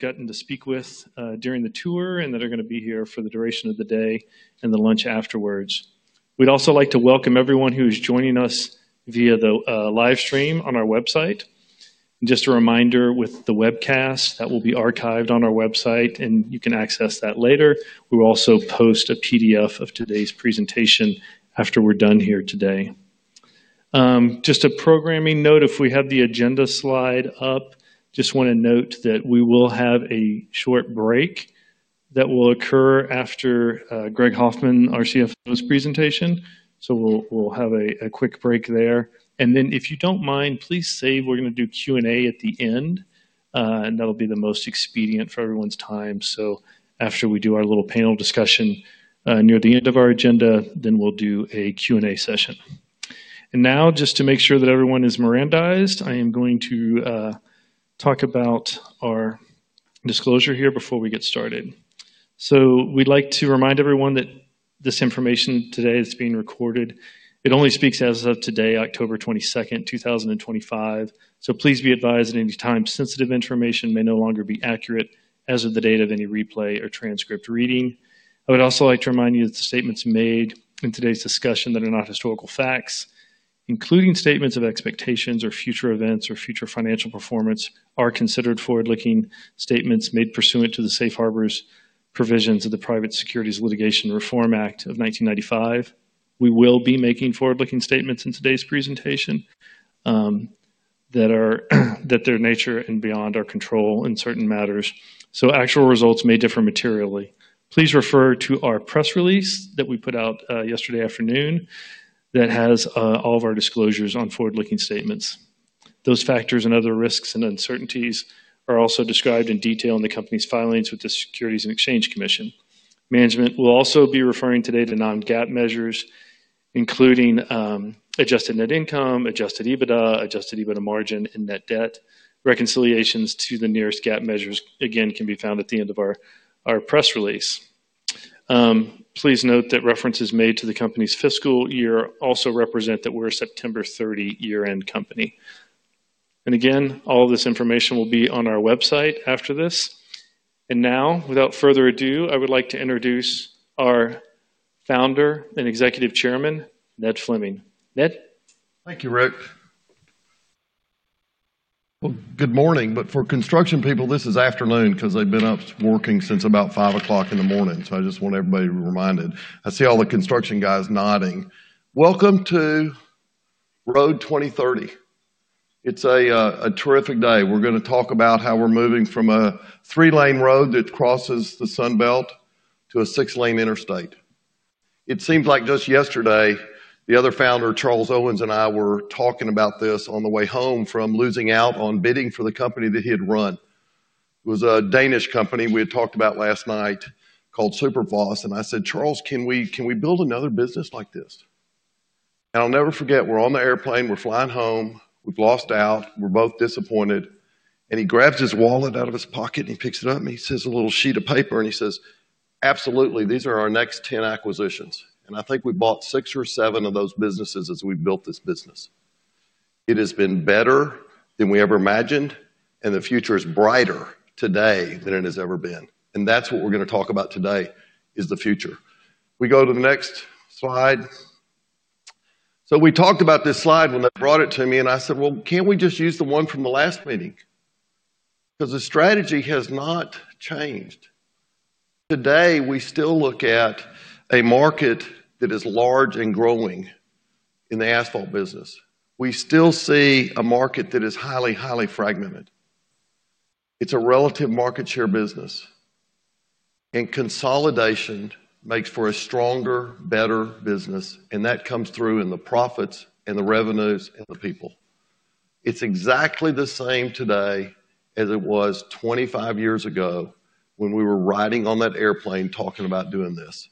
Good to speak with during the tour, and that are going to be here for the duration of the day and the lunch afterwards. We'd also like to welcome everyone who is joining us via the livestream on our website. Just a reminder, with the webcast, that will be archived on our website, and you can access that later. We'll also post a PDF of today's presentation after we're done here today. Just a programming note, if we have the agenda slide up, I just want to note that we will have a short break that will occur after Greg Hoffman, our CFO, gives his presentation. We'll have a quick break there. If you don't mind, please save your questions; we're going to do Q&A at the end. That'll be the most expedient for everyone's time. After we do our little panel discussion near the end of our agenda, then we'll do a Q&A session. Now, just to make sure that everyone is Mirandized, I am going to talk about our disclosure here before we get started. We'd like to remind everyone that this information today is being recorded. It only speaks as of today, October 22, 2025. Please be advised that any time-sensitive information may no longer be accurate as of the date of any replay or transcript reading. I would also like to remind you that the statements made in today's discussion that are not historical facts, including statements of expectations or future events or future financial performance, are considered forward-looking statements made pursuant to the Safe Harbor provisions of the Private Securities Litigation Reform Act of 1995. We will be making forward-looking statements in today's presentation that are, by their nature, beyond our control in certain matters. Actual results may differ materially. Please refer to our press release that we put out yesterday afternoon that has all of our disclosures on forward-looking statements. Those factors and other risks and uncertainties are also described in detail in the company's filings with the Securities and Exchange Commission. Management will also be referring today to non-GAAP measures, including adjusted net income, adjusted EBITDA, adjusted EBITDA margin, and net debt. Reconciliations to the nearest GAAP measures, again, can be found at the end of our press release. Please note that references made to the company's fiscal year also represent that we're a September 30 year-end company. All of this information will be on our website after this. Now, without further ado, I would like to introduce our Founder and Executive Chairman, Ned Fleming. Ned? Thank you, Rick. Good morning. For construction people, this is afternoon because they've been up working since about 5:00 A.M. I just want everybody to be reminded. I see all the construction guys nodding. Welcome to Road 2030. It's a terrific day. We're going to talk about how we're moving from a three-lane road that crosses the Sun Belt to a six-lane interstate. It seems like just yesterday, the other founder, Charles Owens, and I were talking about this on the way home from losing out on bidding for the company that he had run. It was a Danish company we had talked about last night called Superfoss. I said, "Charles, can we build another business like this?" I'll never forget, we're on the airplane, we're flying home, we've lost out, we're both disappointed. He grabs his wallet out of his pocket and he picks it up and he says a little sheet of paper and he says, "Absolutely, these are our next 10 acquisitions." I think we bought six or seven of those businesses as we built this business. It has been better than we ever imagined, and the future is brighter today than it has ever been. That's what we're going to talk about today, the future. We go to the next slide. We talked about this slide when they brought it to me, and I said, "Can't we just use the one from the last meeting?" The strategy has not changed. Today, we still look at a market that is large and growing in the asphalt business. We still see a market that is highly, highly fragmented. It's a relative market share business. Consolidation makes for a stronger, better business. That comes through in the profits and the revenues and the people. It's exactly the same today as it was 25 years ago when we were riding on that airplane talking about doing this.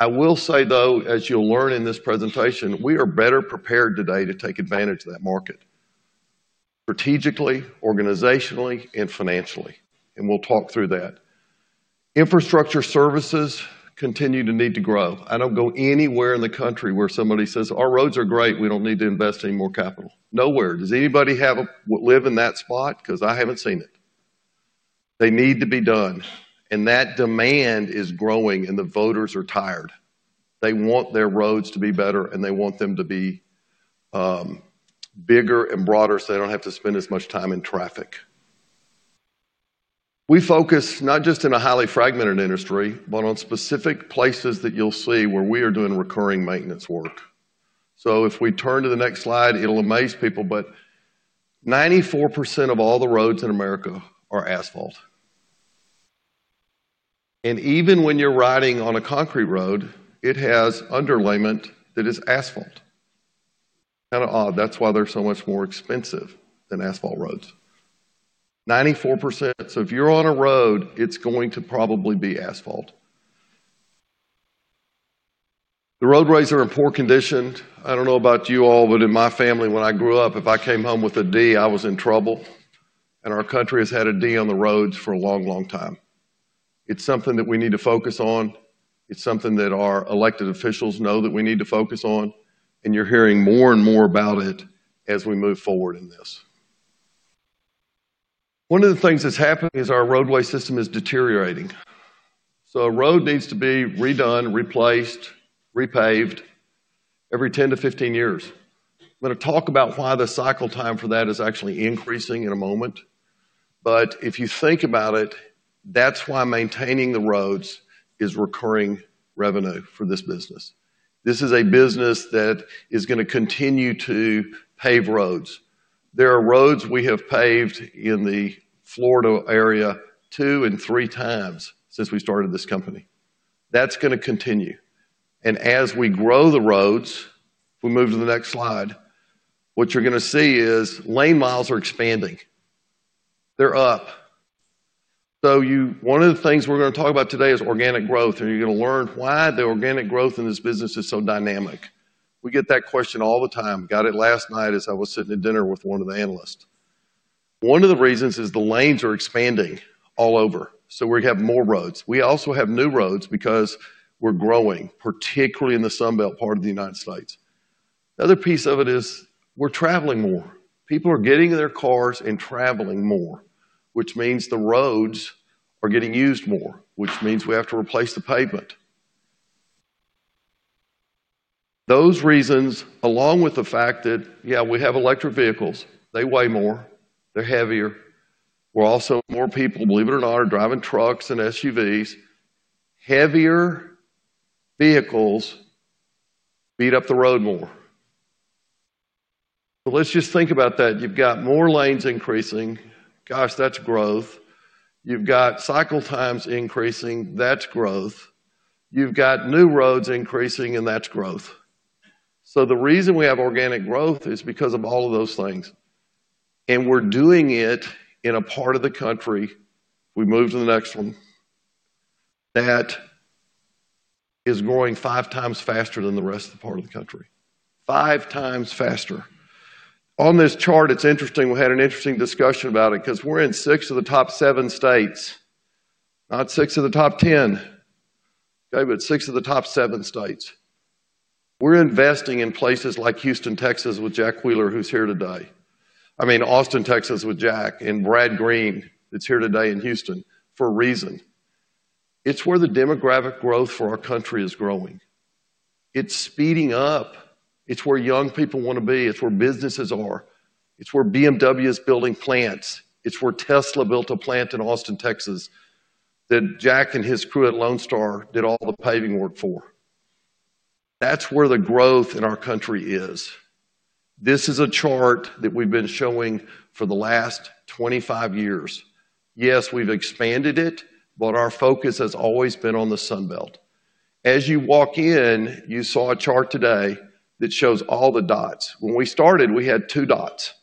I will say, though, as you'll learn in this presentation, we are better prepared today to take advantage of that market strategically, organizationally, and financially. We'll talk through that. Infrastructure services continue to need to grow. I don't go anywhere in the country where somebody says, "Our roads are great. We don't need to invest any more capital." Nowhere. Does anybody live in that spot? I haven't seen it. They need to be done. That demand is growing, and the voters are tired. They want their roads to be better, and they want them to be bigger and broader so they don't have to spend as much time in traffic. We focus not just in a highly fragmented industry, but on specific places that you'll see where we are doing recurring maintenance work. If we turn to the next slide, it'll amaze people, but 94% of all the roads in America are asphalt. Even when you're riding on a concrete road, it has underlayment that is asphalt. Kind of odd. That's why they're so much more expensive than asphalt roads. 94%. If you're on a road, it's going to probably be asphalt. The roadways are in poor condition. I don't know about you all, but in my family, when I grew up, if I came home with a D, I was in trouble. Our country has had a D on the roads for a long, long time. It's something that we need to focus on. It's something that our elected officials know that we need to focus on. You're hearing more and more about it as we move forward in this. One of the things that's happening is our roadway system is deteriorating. A road needs to be redone, replaced, repaved every 10 to 15 years. I'm going to talk about why the cycle time for that is actually increasing in a moment. If you think about it, that's why maintaining the roads is recurring revenue for this business. This is a business that is going to continue to pave roads. There are roads we have paved in the Florida area two and three times since we started this company. That's going to continue. As we grow the roads, if we move to the next slide, what you're going to see is lane miles are expanding. They're up. One of the things we're going to talk about today is organic growth. You're going to learn why the organic growth in this business is so dynamic. We get that question all the time. Got it last night as I was sitting at dinner with one of the analysts. One of the reasons is the lanes are expanding all over. We have more roads. We also have new roads because we're growing, particularly in the Sun Belt part of the United States. The other piece of it is we're traveling more. People are getting in their cars and traveling more, which means the roads are getting used more, which means we have to replace the pavement. Those reasons, along with the fact that, yeah, we have electric vehicles. They weigh more. They're heavier. More people, believe it or not, are driving trucks and SUVs. Heavier vehicles beat up the road more. Let's just think about that. You've got more lanes increasing. Gosh, that's growth. You've got cycle times increasing. That's growth. You've got new roads increasing, and that's growth. The reason we have organic growth is because of all of those things. We're doing it in a part of the country. We moved to the next one. That is growing five times faster than the rest of the part of the country. Five times faster. On this chart, it's interesting. We had an interesting discussion about it because we're in six of the top seven states, not six of the top ten, but six of the top seven states. We're investing in places like Houston, Texas, with Jack Wheeler, who's here today. I mean, Austin, Texas, with Jack, and Brad Green that's here today in Houston for a reason. It's where the demographic growth for our country is growing. It's speeding up. It's where young people want to be. It's where businesses are. It's where BMW is building plants. It's where Tesla built a plant in Austin, Texas, that Jack and his crew at Lone Star Paving did all the paving work for. That's where the growth in our country is. This is a chart that we've been showing for the last 25 years. Yes, we've expanded it, but our focus has always been on the Sun Belt. As you walk in, you saw a chart today that shows all the dots. When we started, we had two dots.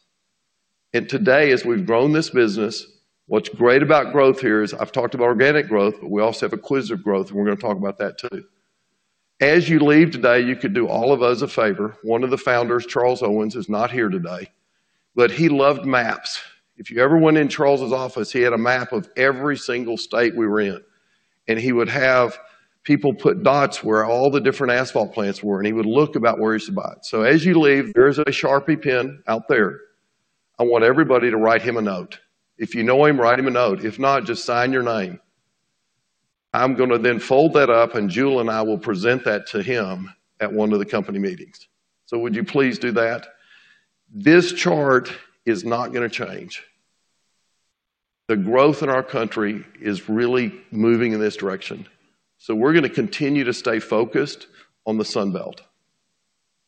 Today, as we've grown this business, what's great about growth here is I've talked about organic growth, but we also have acquisitive growth, and we're going to talk about that too. As you leave today, you could do all of us a favor. One of the founders, Charles Owens, is not here today, but he loved maps. If you ever went in Charles's office, he had a map of every single state we were in. He would have people put dots where all the different asphalt plants were, and he would look about where he's about. As you leave, there is a Sharpie pen out there. I want everybody to write him a note. If you know him, write him a note. If not, just sign your name. I'm going to then fold that up, and Jule and I will present that to him at one of the company meetings. Would you please do that? This chart is not going to change. The growth in our country is really moving in this direction. We're going to continue to stay focused on the Sun Belt.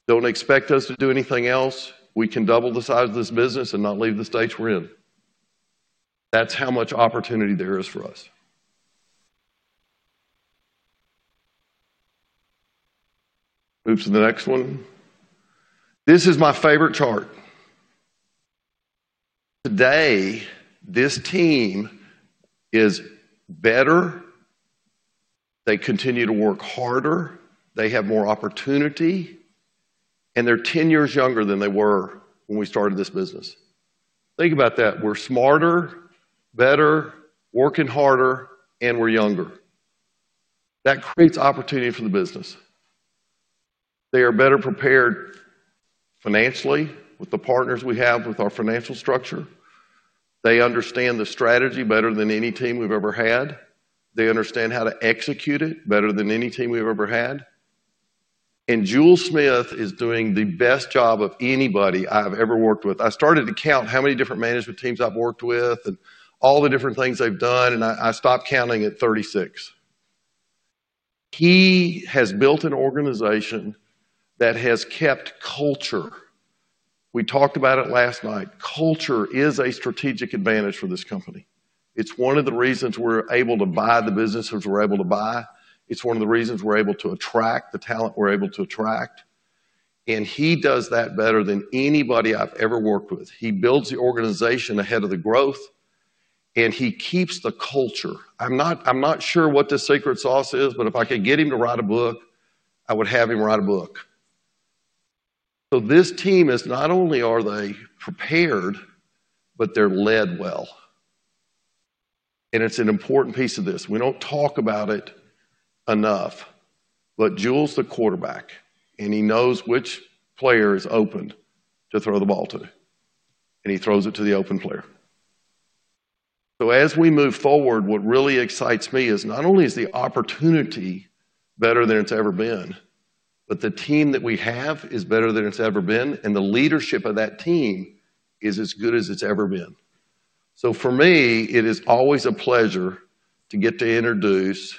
Don't expect us to do anything else. We can double the size of this business and not leave the stage we're in. That's how much opportunity there is for us. Move to the next one. This is my favorite chart. Today, this team is better. They continue to work harder. They have more opportunity, and they're 10 years younger than they were when we started this business. Think about that. We're smarter, better, working harder, and we're younger. That creates opportunity for the business. They are better prepared financially with the partners we have with our financial structure. They understand the strategy better than any team we've ever had. They understand how to execute it better than any team we've ever had. Jule Smith is doing the best job of anybody I've ever worked with. I started to count how many different management teams I've worked with and all the different things they've done, and I stopped counting at 36. He has built an organization that has kept culture. We talked about it last night. Culture is a strategic advantage for this company. It's one of the reasons we're able to buy the businesses we're able to buy. It's one of the reasons we're able to attract the talent we're able to attract. He does that better than anybody I've ever worked with. He builds the organization ahead of the growth, and he keeps the culture. I'm not sure what the secret sauce is, but if I could get him to write a book, I would have him write a book. This team is not only are they prepared, but they're led well. It's an important piece of this. We don't talk about it enough, but Jule's the quarterback, and he knows which player is open to throw the ball to. He throws it to the open player. As we move forward, what really excites me is not only is the opportunity better than it's ever been, but the team that we have is better than it's ever been, and the leadership of that team is as good as it's ever been. For me, it is always a pleasure to get to introduce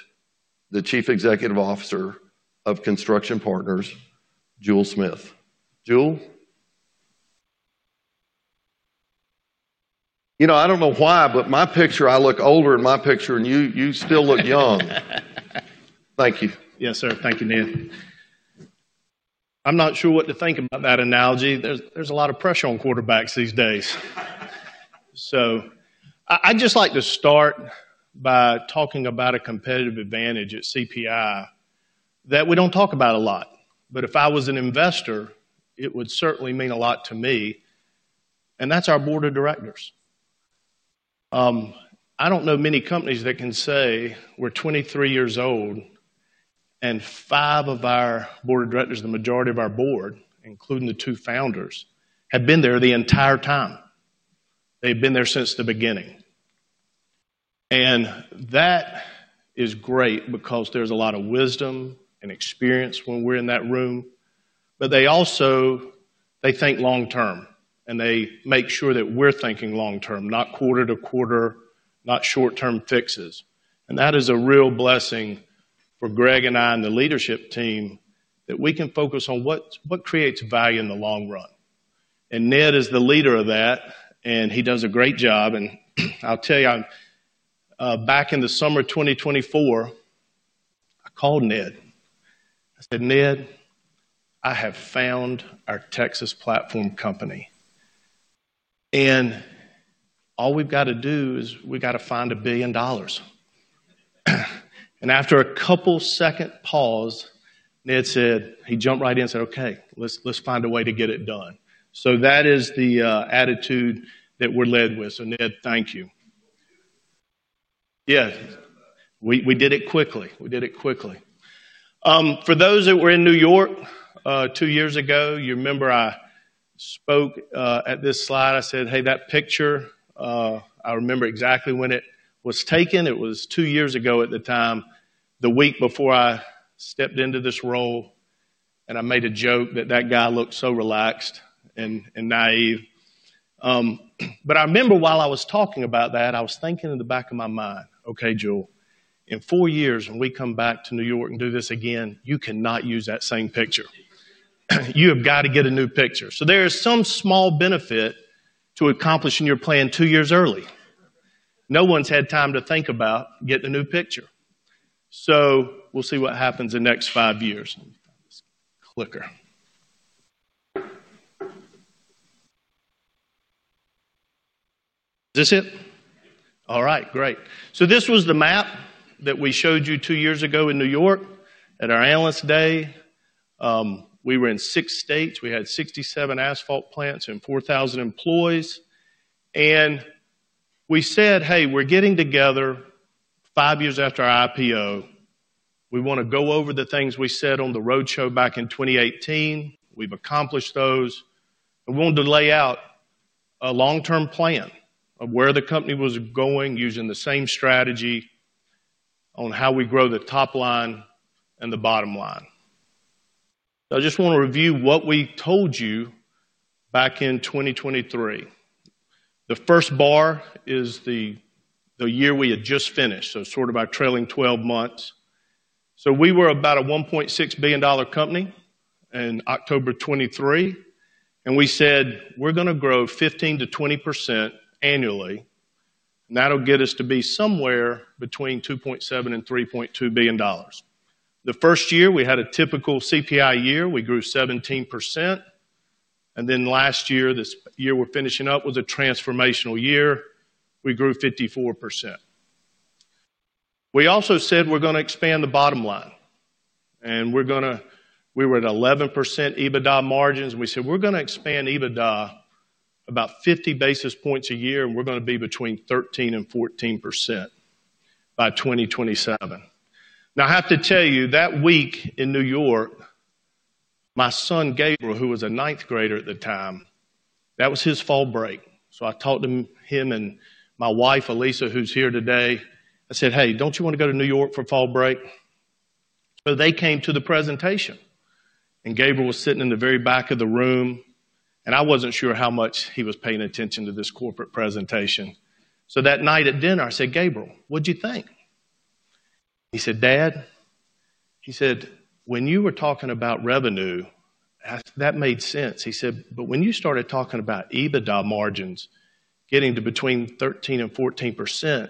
the Chief Executive Officer of Construction Partners, Jule Smith. Jule. You know, I don't know why, but my picture, I look older in my picture, and you still look young. Thank you. Yes, sir. Thank you, Ned. I'm not sure what to think about that analogy. There's a lot of pressure on quarterbacks these days. I'd just like to start by talking about a competitive advantage at CPI that we don't talk about a lot. If I was an investor, it would certainly mean a lot to me. That's our board of directors. I don't know many companies that can say we're 23 years old, and five of our board of directors, the majority of our board, including the two founders, have been there the entire time. They've been there since the beginning. That is great because there's a lot of wisdom and experience when we're in that room. They also think long term, and they make sure that we're thinking long term, not quarter to quarter, not short-term fixes. That is a real blessing for Greg and I and the leadership team that we can focus on what creates value in the long run. Ned is the leader of that, and he does a great job. I'll tell you, back in the summer of 2024, I called Ned. I said, "Ned, I have found our Texas platform company. All we've got to do is we got to find a billion dollars." After a couple-second pause, Ned said, he jumped right in and said, "Okay, let's find a way to get it done." That is the attitude that we're led with. Ned, thank you. We did it quickly. We did it quickly. For those that were in New York two years ago, you remember I spoke at this slide. I said, "Hey, that picture, I remember exactly when it was taken. It was two years ago at the time, the week before I stepped into this role." I made a joke that that guy looked so relaxed and naive. I remember while I was talking about that, I was thinking in the back of my mind, "Okay, Jule, in four years, when we come back to New York and do this again, you cannot use that same picture. You have got to get a new picture." There is some small benefit to accomplishing your plan two years early. No one's had time to think about getting a new picture. We'll see what happens in the next five years. Clicker. Is this it? All right, great. This was the map that we showed you two years ago in New York at our analyst day. We were in six states. We had 67 asphalt plants and 4,000 employees. We said, "Hey, we're getting together five years after our IPO. We want to go over the things we said on the roadshow back in 2018. We've accomplished those." I want to lay out a long-term plan of where the company was going using the same strategy on how we grow the top line and the bottom line. I just want to review what we told you back in 2023. The first bar is the year we had just finished. It's sort of our trailing 12 months. We were about a $1.6 billion company in October 2023. We said, "We're going to grow 15 to 20% annually. That'll get us to be somewhere between $2.7 and $3.2 billion." The first year, we had a typical CPI year. We grew 17%. Last year, this year we're finishing up with a transformational year, we grew 54%. We also said, "We're going to expand the bottom line." We were at 11% EBITDA margins. We said, "We're going to expand EBITDA about 50 basis points a year, and we're going to be between 13 and 14% by 2027." I have to tell you, that week in New York, my son Gabriel, who was a ninth grader at the time, that was his fall break. I talked to him and my wife, Alisa, who's here today. I said, "Hey, don't you want to go to New York for fall break?" They came to the presentation. Gabriel was sitting in the very back of the room. I wasn't sure how much he was paying attention to this corporate presentation. That night at dinner, I said, "Gabriel, what do you think?" He said, "Dad," he said, "when you were talking about revenue, that made sense." He said, "But when you started talking about EBITDA margins getting to between 13 and 14%,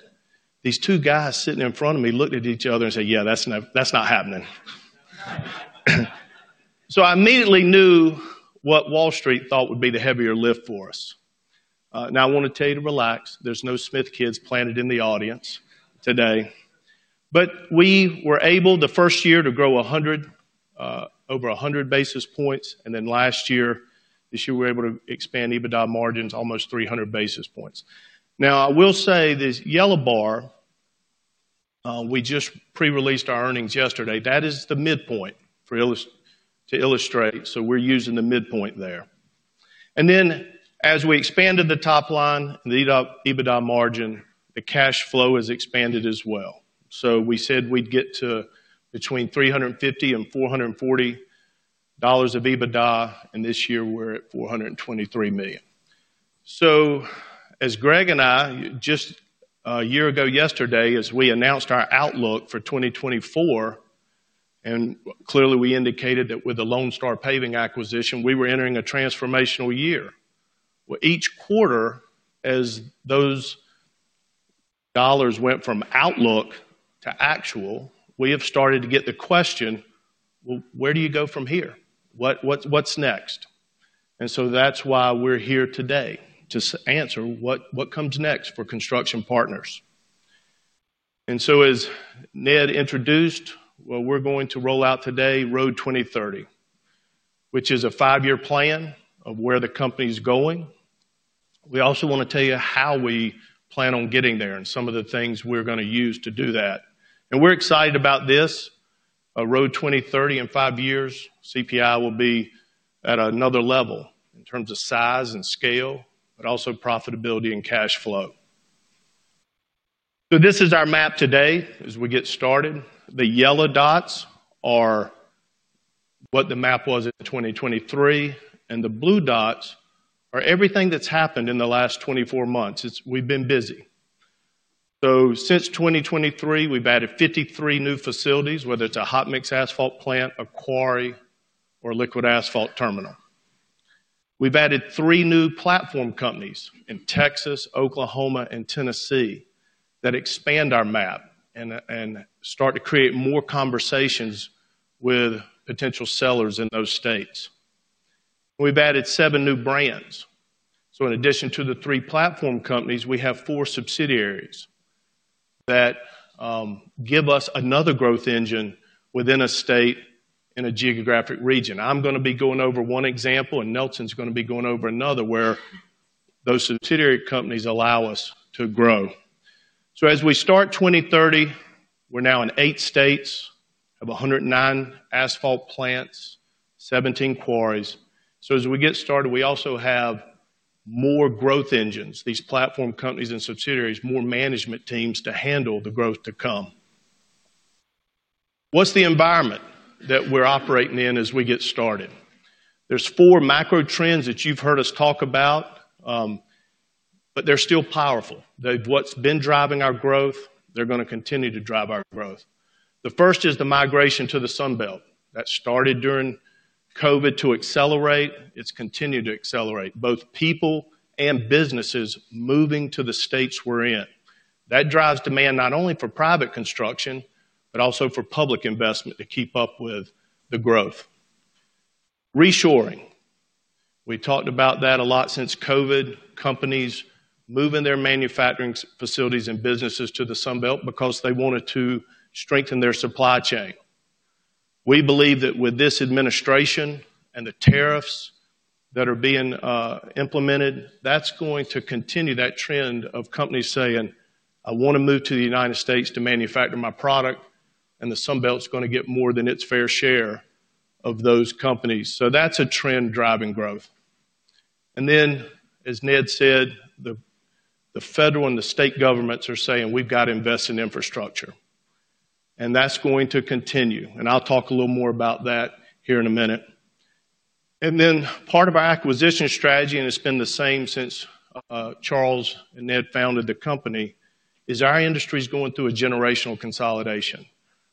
these two guys sitting in front of me looked at each other and said, 'Yeah, that's not happening.'" I immediately knew what Wall Street thought would be the heavier lift for us. I want to tell you to relax. There's no Smith kids planted in the audience today. We were able the first year to grow over 100 basis points. Last year, this year we were able to expand EBITDA margins almost 300 basis points. I will say this yellow bar, we just pre-released our earnings yesterday. That is the midpoint to illustrate. We're using the midpoint there. As we expanded the top line and the EBITDA margin, the cash flow has expanded as well. We said we'd get to between $350 and $440 million of EBITDA. This year, we're at $423 million. As Greg and I, just a year ago yesterday, as we announced our outlook for 2024, clearly we indicated that with the Lone Star Paving acquisition, we were entering a transformational year. Each quarter, as those dollars went from outlook to actual, we have started to get the question, "Where do you go from here? What's next?" That is why we're here today to answer what comes next for Construction Partners. As Ned introduced, we're going to roll out today Road 2030, which is a five-year plan of where the company's going. We also want to tell you how we plan on getting there and some of the things we're going to use to do that. We're excited about this. Road 2030 in five years, CPI will be at another level in terms of size and scale, but also profitability and cash flow. This is our map today as we get started. The yellow dots are what the map was in 2023. The blue dots are everything that's happened in the last 24 months. We've been busy. Since 2023, we've added 53 new facilities, whether it's a hot mix asphalt plant, a quarry, or a liquid asphalt terminal. We've added three new platform companies in Texas, Oklahoma, and Tennessee that expand our map and start to create more conversations with potential sellers in those states. We've added seven new brands. In addition to the three platform companies, we have four subsidiaries that give us another growth engine within a state in a geographic region. I'm going to be going over one example, and Nelson's going to be going over another where those subsidiary companies allow us to grow. As we start 2030, we're now in eight states, have 109 asphalt plants, 17 quarries. As we get started, we also have more growth engines, these platform companies and subsidiaries, more management teams to handle the growth to come. What's the environment that we're operating in as we get started? There are four macro trends that you've heard us talk about, but they're still powerful. What's been driving our growth, they're going to continue to drive our growth. The first is the migration to the Sun Belt. That started during COVID to accelerate. It's continued to accelerate, both people and businesses moving to the states we're in. That drives demand not only for private construction, but also for public investment to keep up with the growth. Reshoring. We talked about that a lot since COVID. Companies moving their manufacturing facilities and businesses to the Sun Belt because they wanted to strengthen their supply chain. We believe that with this administration and the tariffs that are being implemented, that's going to continue that trend of companies saying, "I want to move to the United States to manufacture my product," and the Sun Belt is going to get more than its fair share of those companies. That is a trend driving growth. As Ned said, the federal and the state governments are saying, "We've got to invest in infrastructure." That is going to continue. I'll talk a little more about that here in a minute. Part of our acquisition strategy, and it's been the same since Charles and Ned founded the company, is our industry is going through a generational industry consolidation.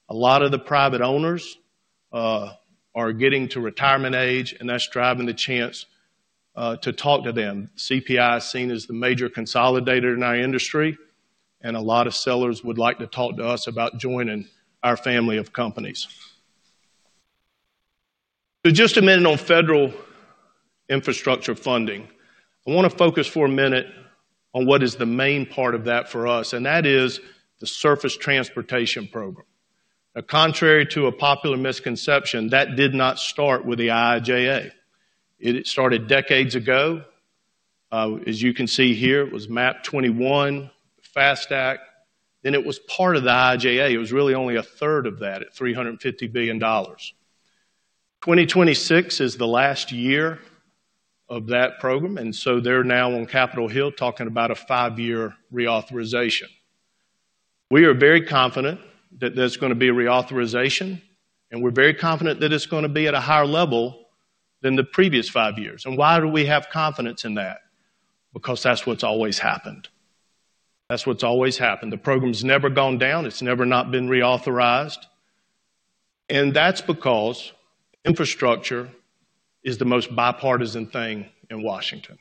A lot of the private owners are getting to retirement age, and that's driving the chance to talk to them. CPI is seen as the major consolidator in our industry, and a lot of sellers would like to talk to us about joining our family of companies. Just a minute on federal infrastructure funding. I want to focus for a minute on what is the main part of that for us, and that is the Surface Transportation Program. Contrary to a popular misconception, that did not start with the IJA. It started decades ago. As you can see here, it was MAP21, FASTAC, then it was part of the IJA. It was really only a third of that at $350 billion. 2026 is the last year of that program, and they are now on Capitol Hill talking about a five-year reauthorization. We are very confident that there's going to be a reauthorization, and we're very confident that it's going to be at a higher level than the previous five years. Why do we have confidence in that? Because that's what's always happened. The program's never gone down. It's never not been reauthorized. That is because infrastructure is the most bipartisan thing in Washington.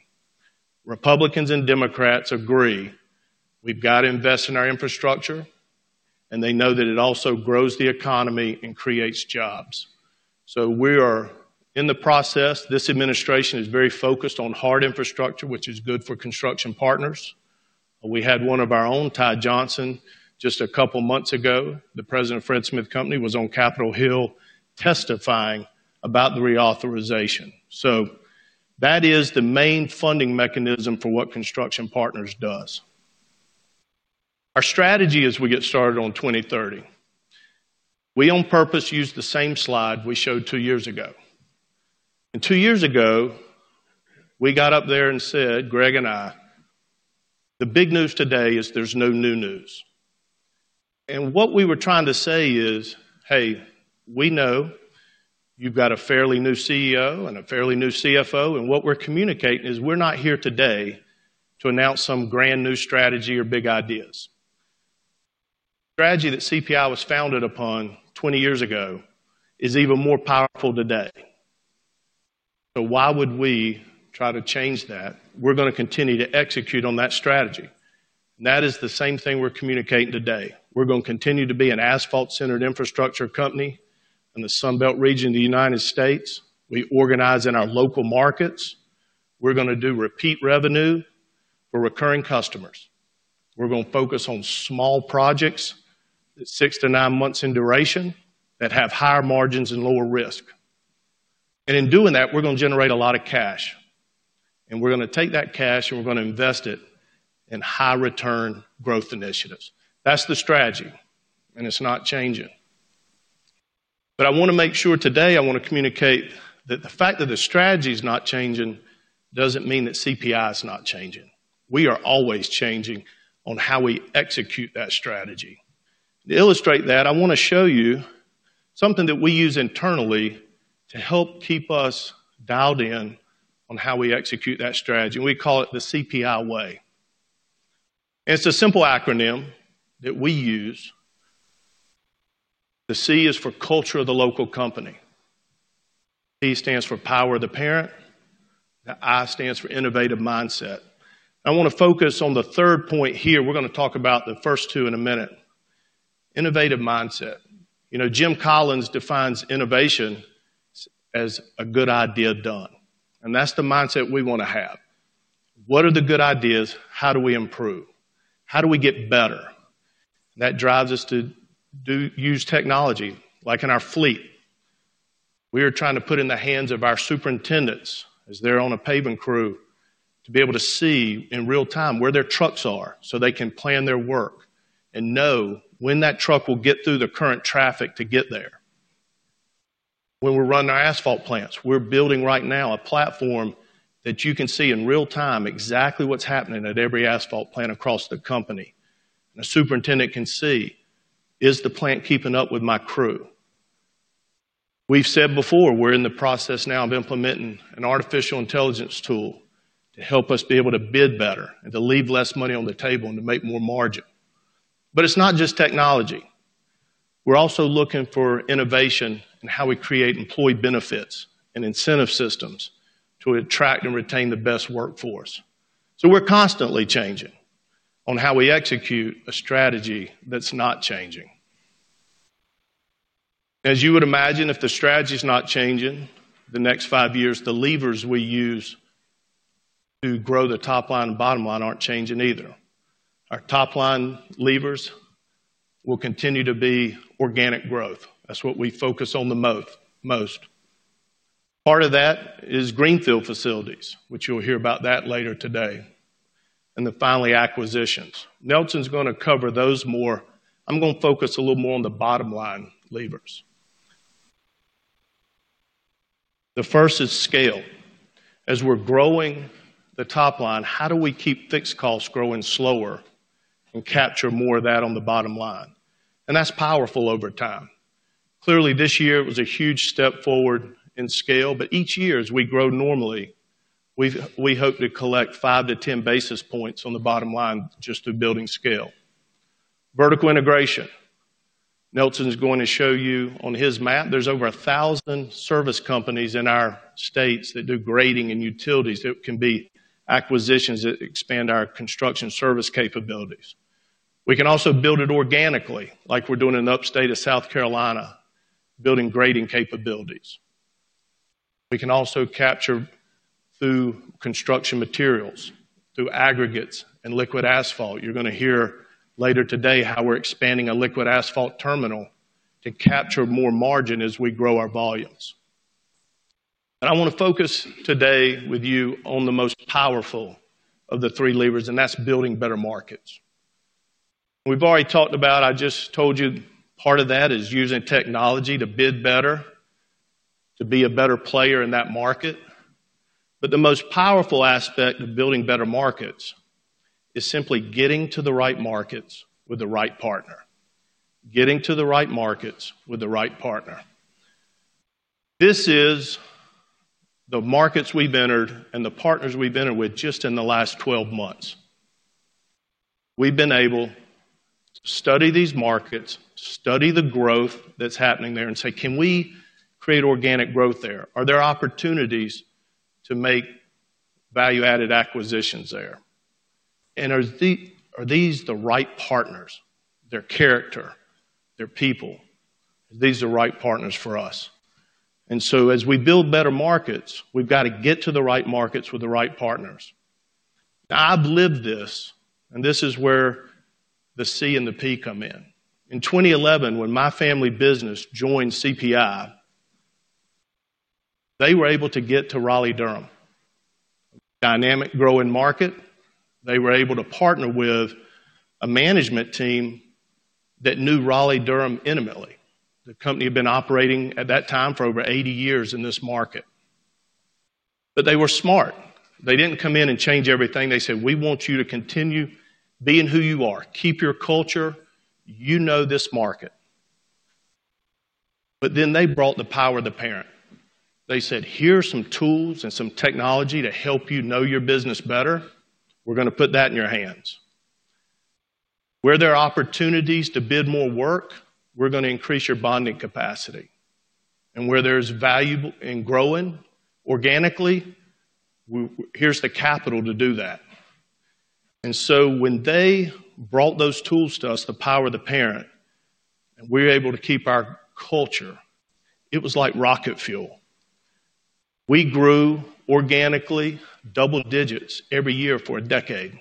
Republicans and Democrats agree. We've got to invest in our infrastructure, and they know that it also grows the economy and creates jobs. We are in the process. This administration is very focused on hard infrastructure, which is good for Construction Partners. We had one of our own, Ty Johnson, just a couple of months ago. The President of Fred Smith Company was on Capitol Hill testifying about the reauthorization. That is the main funding mechanism for what Construction Partners does. Our strategy is we get started on Road 2030. We on purpose use the same slide we showed two years ago. Two years ago, we got up there and said, Greg and I, the big news today is there's no new news. What we were trying to say is, hey, we know you've got a fairly new CEO and a fairly new CFO. What we're communicating is we're not here today to announce some brand new strategy or big ideas. The strategy that CPI was founded upon 20 years ago is even more powerful today. Why would we try to change that? We're going to continue to execute on that strategy. That is the same thing we're communicating today. We're going to continue to be an asphalt-centered infrastructure company in the Sun Belt region of the United States. We organize in our local markets. We're going to do repeat revenue for recurring customers. We're going to focus on small projects that are six to nine months in duration that have higher margins and lower risk. In doing that, we're going to generate a lot of cash. We're going to take that cash and we're going to invest it in high-return growth initiatives. That's the strategy, and it's not changing. I want to make sure today I want to communicate that the fact that the strategy is not changing doesn't mean that CPI is not changing. We are always changing on how we execute that strategy. To illustrate that, I want to show you something that we use internally to help keep us dialed in on how we execute that strategy. We call it the CPI way. It's a simple acronym that we use. The C is for culture of the local company. P stands for power of the parent. The I stands for innovative mindset. I want to focus on the third point here. We're going to talk about the first two in a minute. Innovative mindset. Jim Collins defines innovation as a good idea done. That's the mindset we want to have. What are the good ideas? How do we improve? How do we get better? That drives us to use technology, like in our fleet. We are trying to put in the hands of our superintendents as they're on a paving crew to be able to see in real time where their trucks are so they can plan their work and know when that truck will get through the current traffic to get there. When we're running our asphalt plants, we're building right now a platform that you can see in real time exactly what's happening at every asphalt plant across the company. A superintendent can see, is the plant keeping up with my crew? We've said before, we're in the process now of implementing an artificial intelligence tool to help us be able to bid better and to leave less money on the table and to make more margin. It's not just technology. We're also looking for innovation in how we create employee benefits and incentive systems to attract and retain the best workforce. We're constantly changing on how we execute a strategy that's not changing. As you would imagine, if the strategy is not changing the next five years, the levers we use to grow the top line and bottom line aren't changing either. Our top line levers will continue to be organic growth. That's what we focus on the most. Part of that is greenfield facilities, which you'll hear about that later today. Finally, acquisitions. Nelson's going to cover those more. I'm going to focus a little more on the bottom line levers. The first is scale. As we're growing the top line, how do we keep fixed costs growing slower and capture more of that on the bottom line? That's powerful over time. Clearly, this year was a huge step forward in scale, but each year as we grow normally, we hope to collect 5 to 10 basis points on the bottom line just through building scale. Vertical integration. Nelson's going to show you on his map, there's over 1,000 service companies in our states that do grading and utilities. It can be acquisitions that expand our construction service capabilities. We can also build it organically, like we're doing in an upstate of South Carolina, building grading capabilities. We can also capture through construction materials, through aggregates and liquid asphalt. You're going to hear later today how we're expanding a liquid asphalt terminal to capture more margin as we grow our volumes. I want to focus today with you on the most powerful of the three levers, and that's building better markets. We've already talked about, I just told you, part of that is using technology to bid better, to be a better player in that market. The most powerful aspect of building better markets is simply getting to the right markets with the right partner. Getting to the right markets with the right partner. This is the markets we've entered and the partners we've been with just in the last 12 months. We've been able to study these markets, study the growth that's happening there, and say, can we create organic growth there? Are there opportunities to make value-added acquisitions there? Are these the right partners, their character, their people? Are these the right partners for us? As we build better markets, we have to get to the right markets with the right partners. I have lived this, and this is where the C and the P come in. In 2011, when my family business joined CPI, they were able to get to Raleigh-Durham, a dynamic growing market. They were able to partner with a management team that knew Raleigh-Durham intimately. The company had been operating at that time for over 80 years in this market. They were smart. They did not come in and change everything. They said, "We want you to continue being who you are. Keep your culture. You know this market." They brought the power of the parent. They said, "Here are some tools and some technology to help you know your business better. We are going to put that in your hands. Where there are opportunities to bid more work, we are going to increase your bonding capacity. Where there is value in growing organically, here is the capital to do that." When they brought those tools to us, the power of the parent, and we were able to keep our culture, it was like rocket fuel. We grew organically double digits every year for a decade.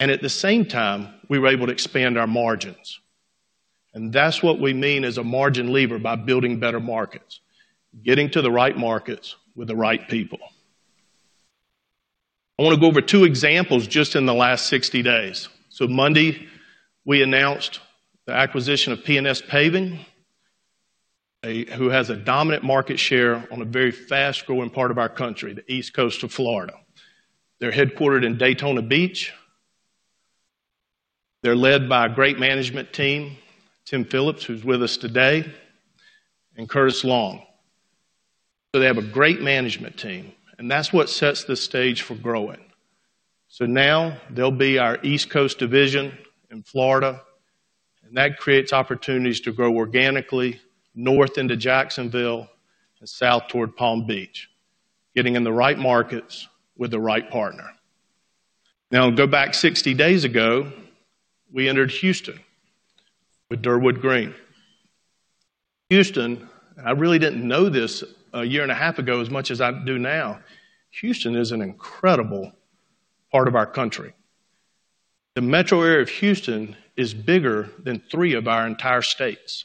At the same time, we were able to expand our margins. That is what we mean as a margin lever by building better markets, getting to the right markets with the right people. I want to go over two examples just in the last 60 days. Monday, we announced the acquisition of P&S Paving, who has a dominant market share in a very fast-growing part of our country, the East Coast of Florida. They are headquartered in Daytona Beach. They are led by a great management team, Tim Phillips, who is with us today, and Curtis Long. They have a great management team, and that is what sets the stage for growing. Now they will be our East Coast division in Florida, and that creates opportunities to grow organically north into Jacksonville and south toward Palm Beach, getting in the right markets with the right partner. Going back 60 days ago, we entered Houston with Durwood Green. Houston, and I really did not know this a year and a half ago as much as I do now, is an incredible part of our country. The metro area of Houston is bigger than three of our entire states.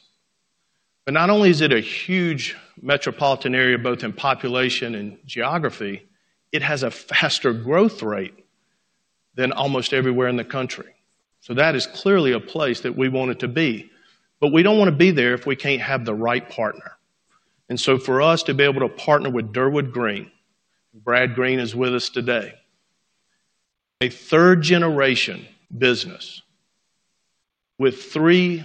Not only is it a huge metropolitan area, both in population and geography, it has a faster growth rate than almost everywhere in the country. That is clearly a place that we wanted to be. We don't want to be there if we can't have the right partner. For us to be able to partner with Durwood Green, Brad Green is with us today. A third-generation business with three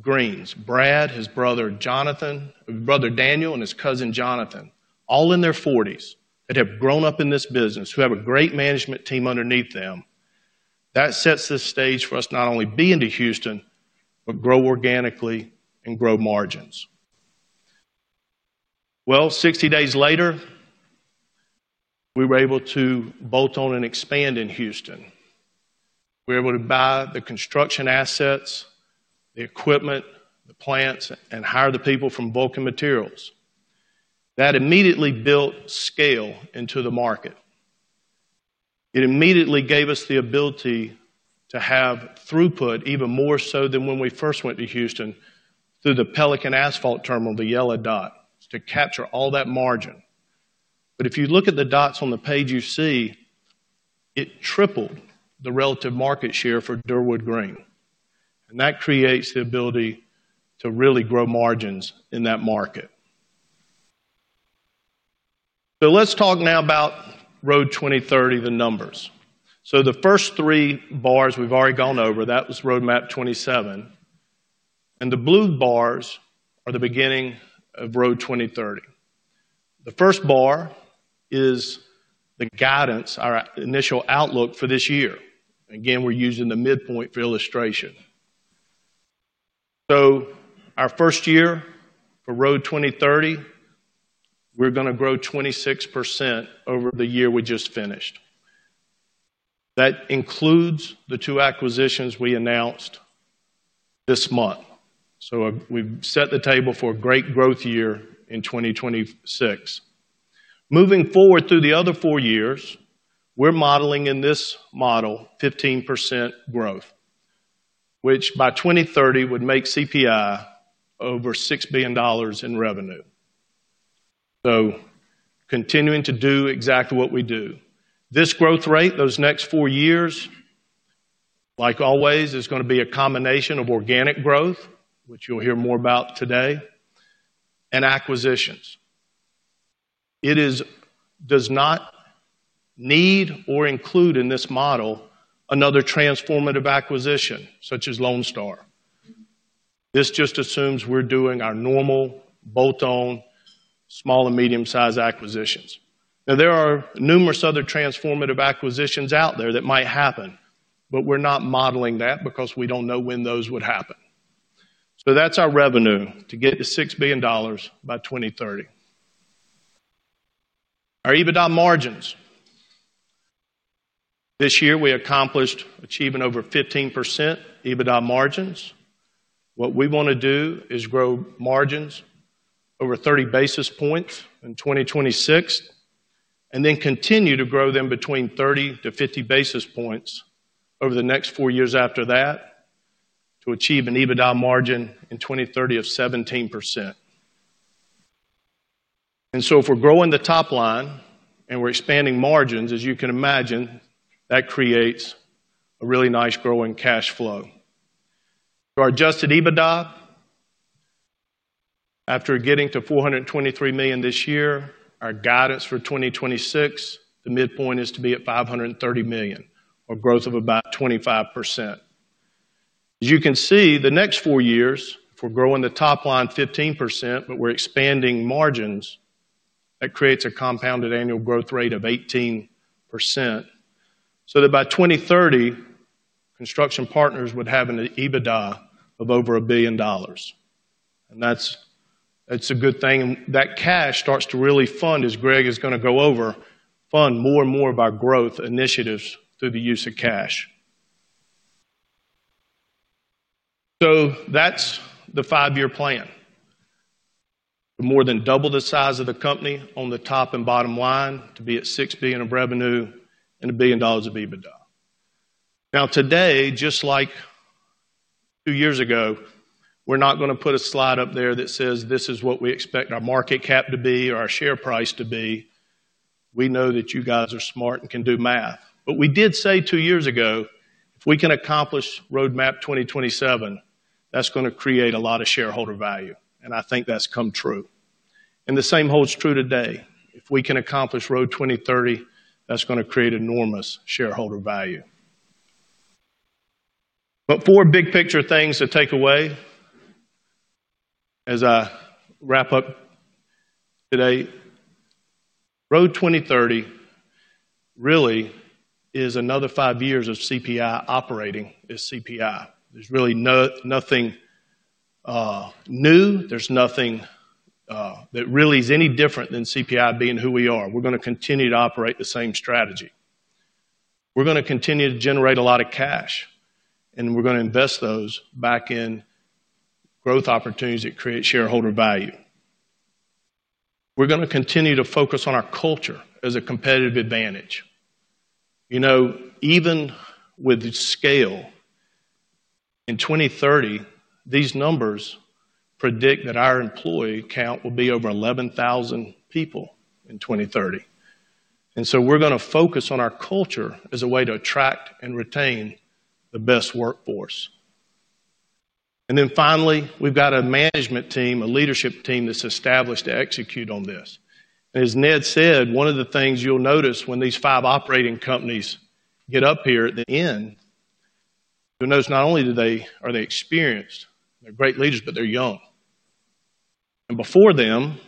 Greens, Brad, his brother Jonathan, his brother Daniel, and his cousin Jonathan, all in their 40s that have grown up in this business, who have a great management team underneath them, that sets the stage for us not only being to Houston, but grow organically and grow margins. Sixty days later, we were able to bolt on and expand in Houston. We were able to buy the construction assets, the equipment, the plants, and hire the people from Bulk and Materials. That immediately built scale into the market. It immediately gave us the ability to have throughput, even more so than when we first went to Houston, through the Pelican Asphalt Terminal, the yellow dot, to capture all that margin. If you look at the dots on the page, you see it tripled the relative market share for Durwood Green. That creates the ability to really grow margins in that market. Let's talk now about Road 2030, the numbers. The first three bars we've already gone over, that was Roadmap 27. The blue bars are the beginning of Road 2030. The first bar is the guidance, our initial outlook for this year. Again, we're using the midpoint for illustration. Our first year for Road 2030, we're going to grow 26% over the year we just finished. That includes the two acquisitions we announced this month. We've set the table for a great growth year in 2026. Moving forward through the other four years, we're modeling in this model 15% growth, which by 2030 would make CPI over $6 billion in revenue. Continuing to do exactly what we do, this growth rate, those next four years, like always, is going to be a combination of organic growth, which you'll hear more about today, and acquisitions. It does not need or include in this model another transformative acquisition such as Lone Star. This just assumes we're doing our normal bolt-on small and medium-sized acquisitions. There are numerous other transformative acquisitions out there that might happen, but we're not modeling that because we don't know when those would happen. That's our revenue to get to $6 billion by 2030. Our EBITDA margins. This year, we accomplished achieving over 15% EBITDA margins. What we want to do is grow margins over 30 basis points in 2026, and then continue to grow them between 30 to 50 basis points over the next four years after that to achieve an EBITDA margin in 2030 of 17%. If we're growing the top line and we're expanding margins, as you can imagine, that creates a really nice growing cash flow. Our adjusted EBITDA after getting to $423 million this year, our guidance for 2026, the midpoint is to be at $530 million, a growth of about 25%. As you can see, the next four years, if we're growing the top line 15%, but we're expanding margins, that creates a compounded annual growth rate of 18%. By 2030, Construction Partners, Inc. would have an EBITDA of over $1 billion. That's a good thing. That cash starts to really fund, as Greg Hoffman is going to go over, fund more and more by growth initiatives through the use of cash. That's the five-year plan. More than double the size of the company on the top and bottom line to be at $6 billion of revenue and $1 billion of EBITDA. Now, today, just like two years ago, we're not going to put a slide up there that says this is what we expect our market cap to be or our share price to be. We know that you guys are smart and can do math. We did say two years ago, if we can accomplish Roadmap 2027, that's going to create a lot of shareholder value. I think that's come true. The same holds true today. If we can accomplish Road 2030, that's going to create enormous shareholder value. Four big picture things to take away as I wrap up today. Road 2030 really is another five years of CPI operating as CPI. There's really nothing new. There's nothing that really is any different than CPI being who we are. We're going to continue to operate the same strategy. We're going to continue to generate a lot of cash. We're going to invest those back in growth opportunities that create shareholder value. We're going to continue to focus on our culture as a competitive advantage. Even with the scale in 2030, these numbers predict that our employee count will be over 11,000 people in 2030. We're going to focus on our culture as a way to attract and retain the best workforce. Finally, we've got a management team, a leadership team that's established to execute on this. As Ned said, one of the things you'll notice when these five operating companies get up here at the end, you'll notice not only are they experienced, they're great leaders, but they're young. Before them,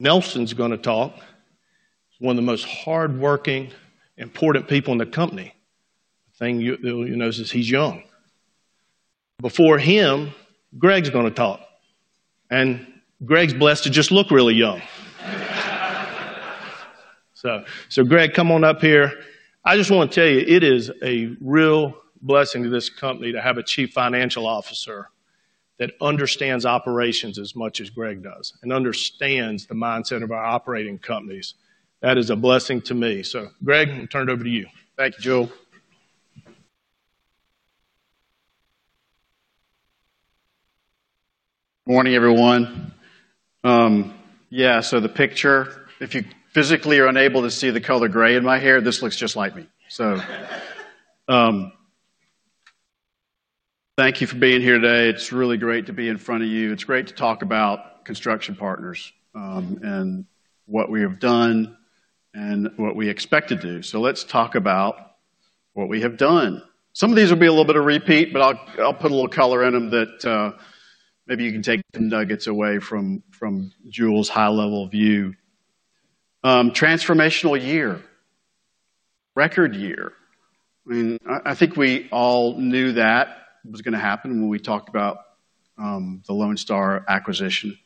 Nelson's going to talk. He's one of the most hardworking, important people in the company. The thing you'll notice is he's young. Before him, Greg's going to talk. Greg's blessed to just look really young. Greg, come on up here. I just want to tell you, it is a real blessing to this company to have a Chief Financial Officer that understands operations as much as Greg does and understands the mindset of our operating companies. That is a blessing to me. Greg, I'm going to turn it over to you. Thank you, Jule. Morning, everyone. Yeah, so the picture, if you physically are unable to see the color gray in my hair, this looks just like me. Thank you for being here today. It's really great to be in front of you. It's great to talk about Construction Partners and what we have done and what we expect to do. Let's talk about what we have done. Some of these will be a little bit of repeat, but I'll put a little color in them that maybe you can take some nuggets away from Jule's high-level view. Transformational year, record year. I mean, I think we all knew that was going to happen when we talked about the Lone Star acquisition.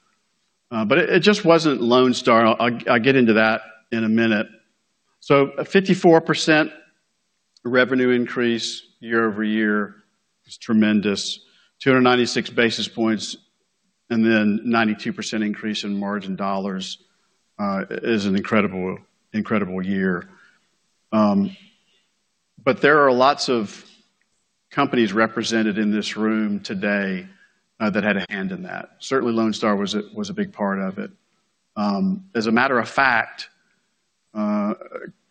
It just wasn't Lone Star. I'll get into that in a minute. A 54% revenue increase year over year is tremendous. 296 basis points and then a 92% increase in margin dollars is an incredible, incredible year. There are lots of companies represented in this room today that had a hand in that. Certainly, Lone Star was a big part of it. As a matter of fact,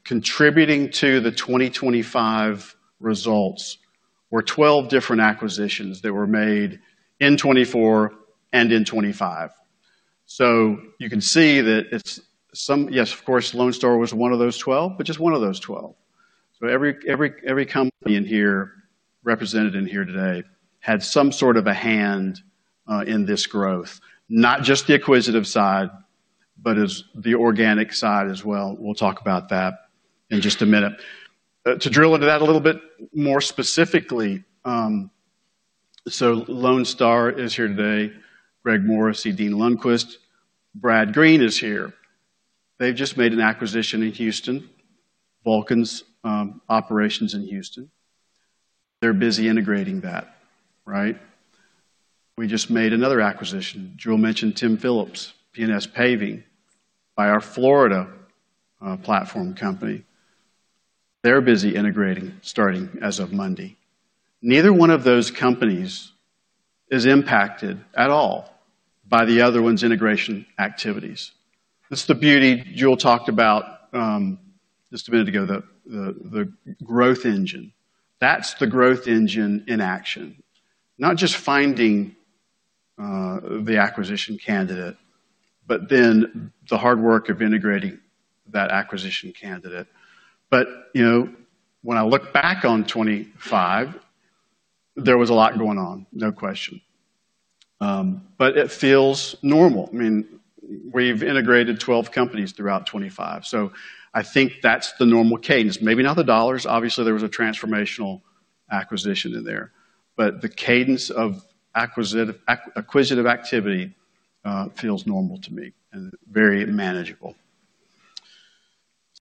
contributing to the 2025 results were 12 different acquisitions that were made in 2024 and in 2025. You can see that it's some, yes, of course, Lone Star was one of those 12, but just one of those 12. Every company represented in here today had some sort of a hand in this growth, not just the acquisitive side, but as the organic side as well. We'll talk about that in just a minute. To drill into that a little bit more specifically, Lone Star is here today. Greg Morris, Dean Lundquist, Brad Green is here. They've just made an acquisition in Houston, Vulcan's operations in Houston. They're busy integrating that, right? We just made another acquisition. Jule mentioned Tim Phillips, P&S Paving by our Florida platform company. They're busy integrating, starting as of Monday. Neither one of those companies is impacted at all by the other one's integration activities. That's the beauty Jule talked about just a minute ago, the growth engine. That's the growth engine in action. Not just finding the acquisition candidate, but then the hard work of integrating that acquisition candidate. When I look back on 2025 there was a lot going on, no question. It feels normal. I mean, we've integrated 12 companies throughout 2025. I think that's the normal cadence. Maybe not the dollars. Obviously, there was a transformational acquisition in there. The cadence of acquisitive activity feels normal to me and very manageable.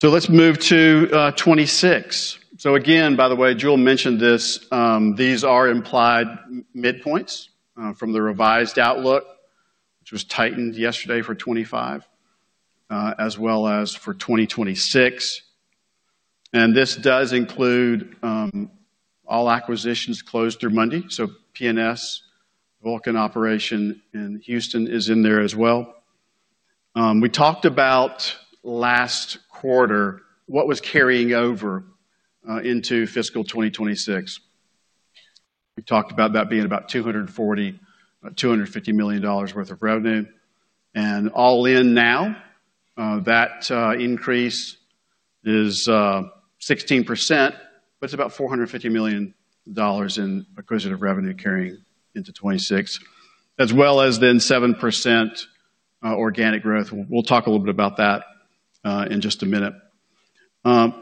Let's move to 2026. Again, by the way, Jule mentioned this, these are implied midpoints from the revised outlook, which was tightened yesterday for 2025 as well as for 2026. This does include all acquisitions closed through Monday. P&S, Vulcan operation in Houston is in there as well. We talked about last quarter what was carrying over into fiscal 2026. We talked about that being about $250 million worth of revenue. All in now, that increase is 16%, but it's about $450 million in acquisitive revenue carrying into 2026, as well as then 7% organic growth. We'll talk a little bit about that in just a minute. I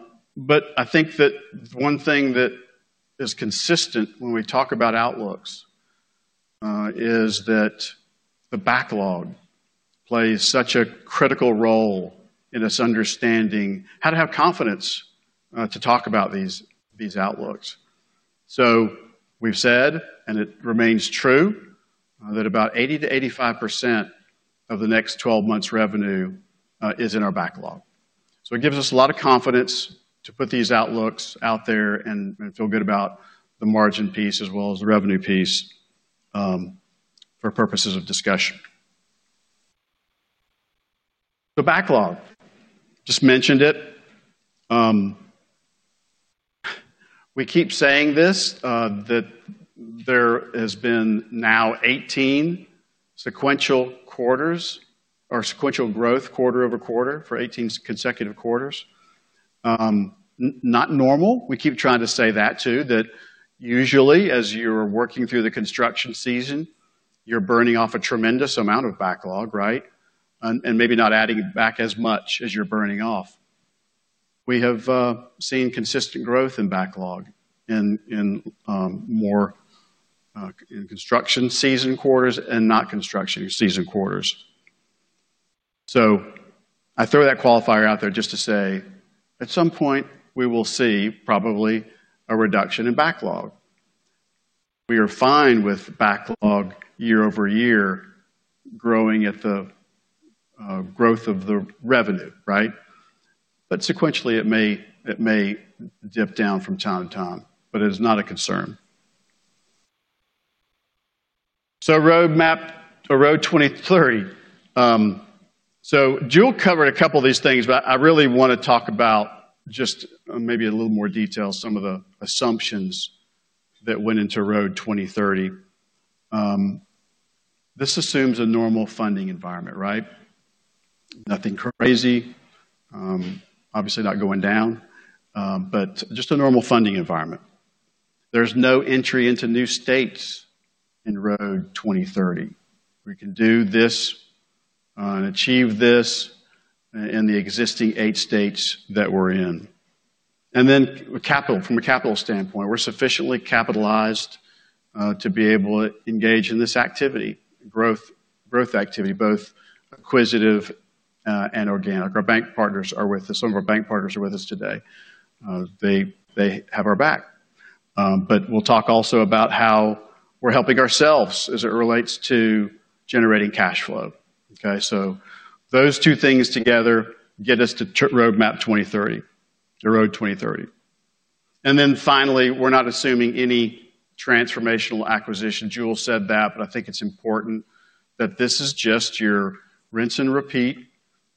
think that one thing that is consistent when we talk about outlooks is that the backlog plays such a critical role in us understanding how to have confidence to talk about these outlooks. We've said, and it remains true, that about 80% to 85% of the next 12 months' revenue is in our backlog. It gives us a lot of confidence to put these outlooks out there and feel good about the margin piece as well as the revenue piece for purposes of discussion. The backlog, just mentioned it. We keep saying this, that there has been now 18 sequential quarters or sequential growth quarter over quarter for 18 consecutive quarters. Not normal. We keep trying to say that too, that usually as you're working through the construction season, you're burning off a tremendous amount of backlog, right? Maybe not adding back as much as you're burning off. We have seen consistent growth in backlog in more construction season quarters and not construction season quarters. I throw that qualifier out there just to say at some point we will see probably a reduction in backlog. We are fine with backlog year over year growing at the growth of the revenue, right? Sequentially, it may dip down from time to time, but it is not a concern. Roadmap to Road 2030. Jule covered a couple of these things, but I really want to talk about just maybe a little more detail, some of the assumptions that went into Road 2030. This assumes a normal funding environment, right? Nothing crazy. Obviously, not going down, but just a normal funding environment. There's no entry into new states in Road 2030. We can do this and achieve this in the existing eight states that we're in. From a capital standpoint, we're sufficiently capitalized to be able to engage in this activity, growth activity, both acquisitive and organic. Our bank partners are with us. Some of our bank partners are with us today. They have our back. We'll talk also about how we're helping ourselves as it relates to generating cash flow. Those two things together get us to Road 2030. Finally, we're not assuming any transformational acquisition. Jule said that, but I think it's important that this is just your rinse and repeat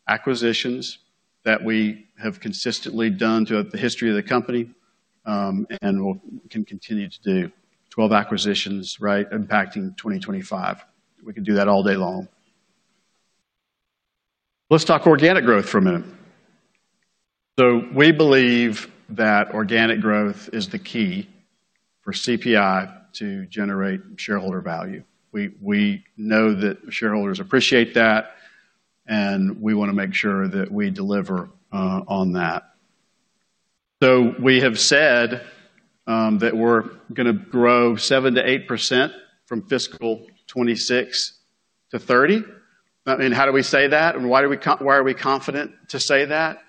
acquisitions that we have consistently done throughout the history of the company and can continue to do. 12 acquisitions, right, impacting 2025. We could do that all day long. Let's talk organic growth for a minute. We believe that organic growth is the key for CPI to generate shareholder value. We know that shareholders appreciate that, and we want to make sure that we deliver on that. We have said that we're going to grow 7 to 8% from fiscal 2026 to 2030. I mean, how do we say that? And why are we confident to say that?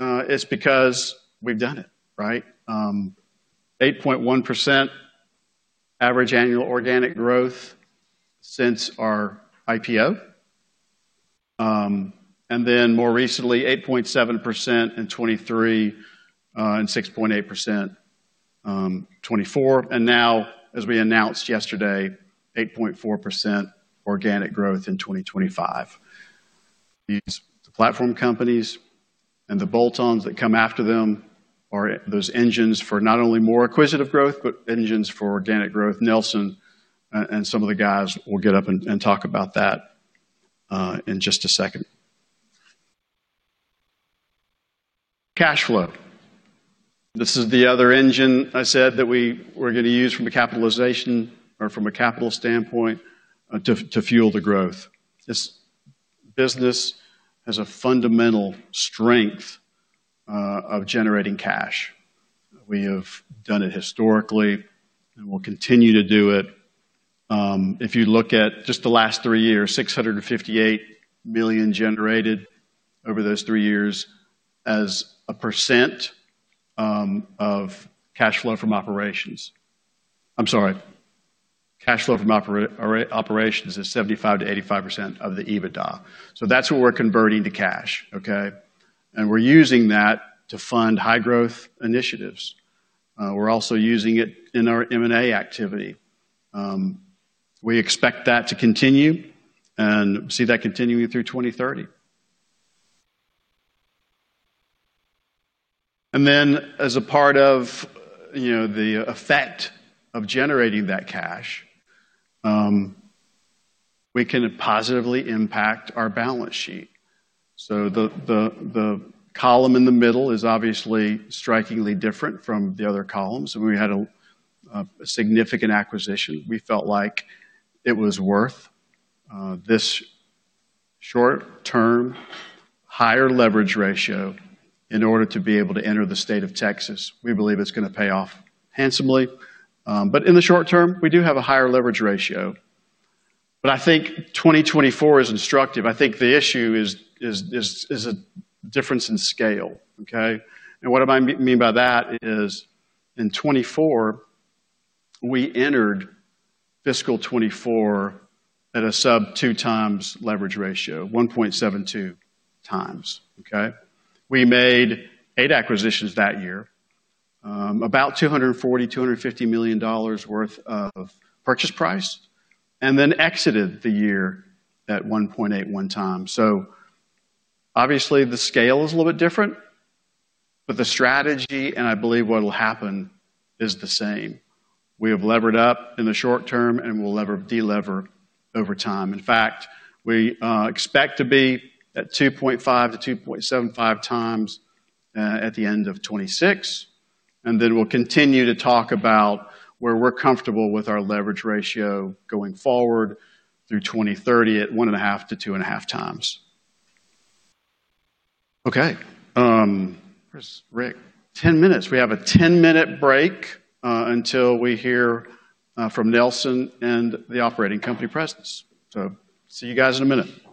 It's because we've done it, right? 8.1% average annual organic growth since our IPO. More recently, 8.7% in 2023 and 6.8% in 2024. Now, as we announced yesterday, 8.4% organic growth in 2025. The platform companies and the bolt-ons that come after them are those engines for not only more acquisitive growth, but engines for organic growth. Nelson and some of the guys will get up and talk about that in just a second. Cash flow. This is the other engine I said that we were going to use from a capitalization or from a capital standpoint to fuel the growth. This business has a fundamental strength of generating cash. We have done it historically and will continue to do it. If you look at just the last three years, $658 million generated over those three years as a percent of cash flow from operations. I'm sorry. Cash flow from operations is 75 to 85% of the EBITDA. That's what we're converting to cash, okay? We're using that to fund high-growth initiatives. We're also using it in our M&A activity. We expect that to continue and see that continuing through 2030. As a part of the effect of generating that cash, we can positively impact our balance sheet. The column in the middle is obviously strikingly different from the other columns. We had a significant acquisition. We felt like it was worth this short-term higher leverage ratio in order to be able to enter the state of Texas. We believe it's going to pay off handsomely. In the short term, we do have a higher leverage ratio. I think 2024 is instructive. I think the issue is a difference in scale, okay? What I mean by that is in 2024, we entered fiscal 2024 at a sub-2x leverage ratio, 1.72x, okay? We made eight acquisitions that year, about $240–$250 million worth of purchase price, and exited the year at 1.81x. Obviously, the scale is a little bit different, but the strategy and I believe what will happen is the same. We have levered up in the short term and will delever over time. In fact, we expect to be at 2.5x to 2.75x at the end of 2026. We'll continue to talk about where we're comfortable with our leverage ratio going forward through 2030 at 1.5x to 2.5x, okay? Where's Rick? 10 minutes. We have a 10-minute break until we hear from Nelson and the Operating Company Presidents. See you guys in a minute. Hi everybody. Let's get back. If you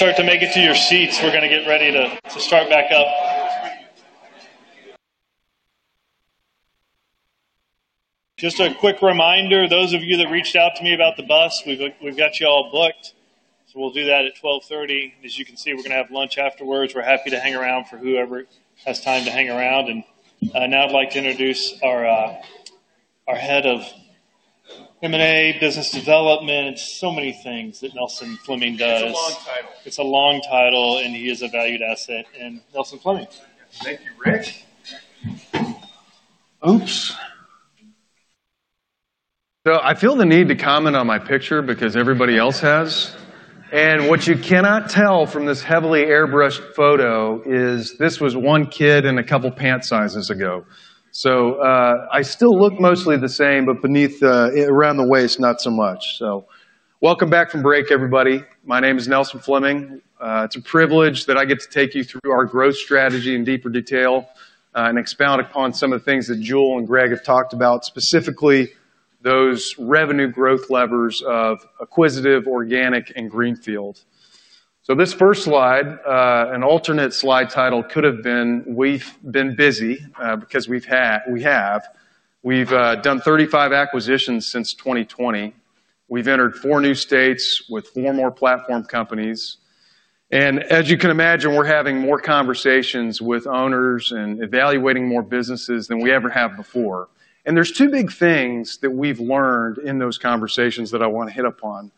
guys want to start to make it to your seats, we're going to get ready to start back up. Just a quick reminder, those of you that reached out to me about the bus, we've got you all booked. We'll do that at 12:30 P.M. As you can see, we're going to have lunch afterwards. We're happy to hang around for whoever has time to hang around. Now I'd like to introduce our Head of M&A, Business Development, and so many things that Nelson Fleming does. It's a long title. It's a long title, and he is a valued asset. Nelson Fleming. Thank you, Rich. I feel the need to comment on my picture because everybody else has. What you cannot tell from this heavily airbrushed photo is this was one kid and a couple pant sizes ago. I still look mostly the same, but beneath the around the waist, not so much. Welcome back from break, everybody. My name is Nelson Fleming. It's a privilege that I get to take you through our growth strategy in deeper detail and expound upon some of the things that Jule and Greg have talked about, specifically those revenue growth levers of acquisitive, organic, and greenfield. This first slide, an alternate slide title, could have been "We've Been Busy" because we have. We've done 35 acquisitions since 2020. We've entered four new states with four more platform companies. As you can imagine, we're having more conversations with owners and evaluating more businesses than we ever have before. There are two big things that we've learned in those conversations that I want to hit upon.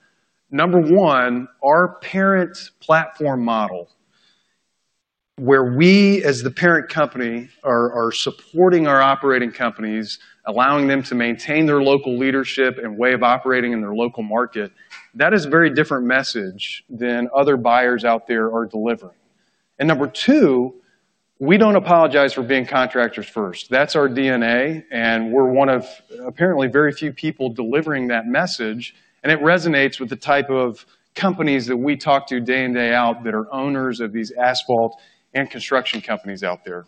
Number one, our parent platform model, where we as the parent company are supporting our operating companies, allowing them to maintain their local leadership and way of operating in their local market, is a very different message than other buyers out there are delivering. Number two, we don't apologize for being contractors first. That's our DNA. We're one of apparently very few people delivering that message, and it resonates with the type of companies that we talk to day in, day out that are owners of these asphalt and construction companies out there.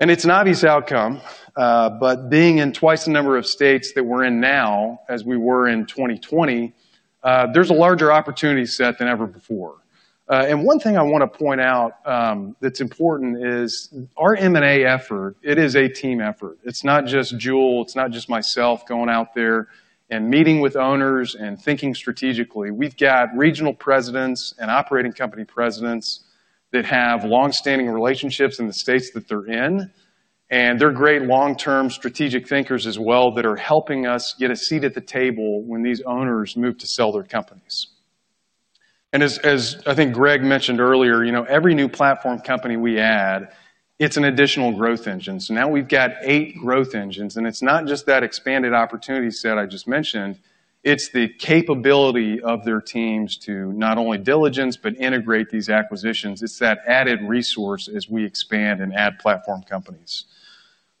It's an obvious outcome, but being in twice the number of states that we're in now, as we were in 2020, there's a larger opportunity set than ever before. One thing I want to point out that's important is our M&A effort, it is a team effort. It's not just Jule, it's not just myself going out there and meeting with owners and thinking strategically. We've got Regional Presidents and Operating Company Presidents that have longstanding relationships in the states that they're in, and they're great long-term strategic thinkers as well that are helping us get a seat at the table when these owners move to sell their companies. As I think Greg mentioned earlier, every new platform company we add, it's an additional growth engine. Now we've got eight growth engines, and it's not just that expanded opportunity set I just mentioned, it's the capability of their teams to not only diligence but integrate these acquisitions. It's that added resource as we expand and add platform companies.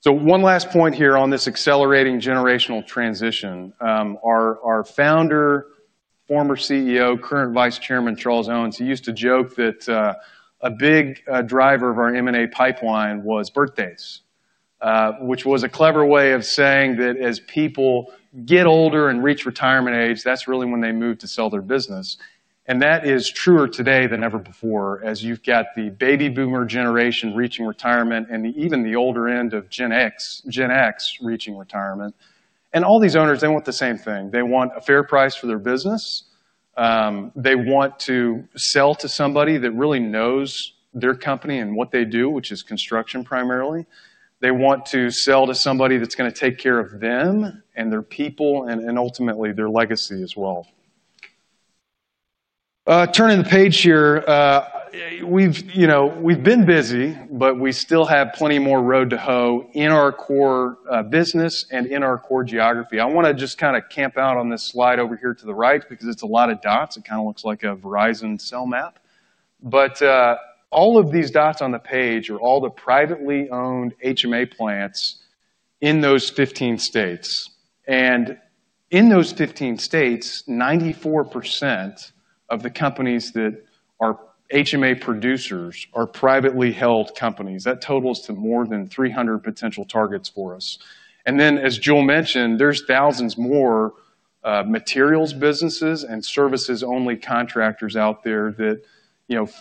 One last point here on this accelerating generational transition. Our Founder, former CEO, current Vice Chairman Charles Owens, he used to joke that a big driver of our M&A pipeline was birthdays, which was a clever way of saying that as people get older and reach retirement age, that's really when they move to sell their business. That is truer today than ever before as you've got the baby boomer generation reaching retirement and even the older end of Gen X reaching retirement. All these owners, they want the same thing. They want a fair price for their business. They want to sell to somebody that really knows their company and what they do, which is construction primarily. They want to sell to somebody that's going to take care of them and their people and ultimately their legacy as well. Turning the page here, we've been busy, but we still have plenty more road to hoe in our core business and in our core geography. I want to just kind of camp out on this slide over here to the right because it's a lot of dots. It kind of looks like a Verizon cell map. All of these dots on the page are all the privately owned HMA plants in those 15 states. In those 15 states, 94% of the companies that are HMA producers are privately held companies. That totals to more than 300 potential targets for us. As Jule mentioned, there's thousands more materials businesses and services-only contractors out there that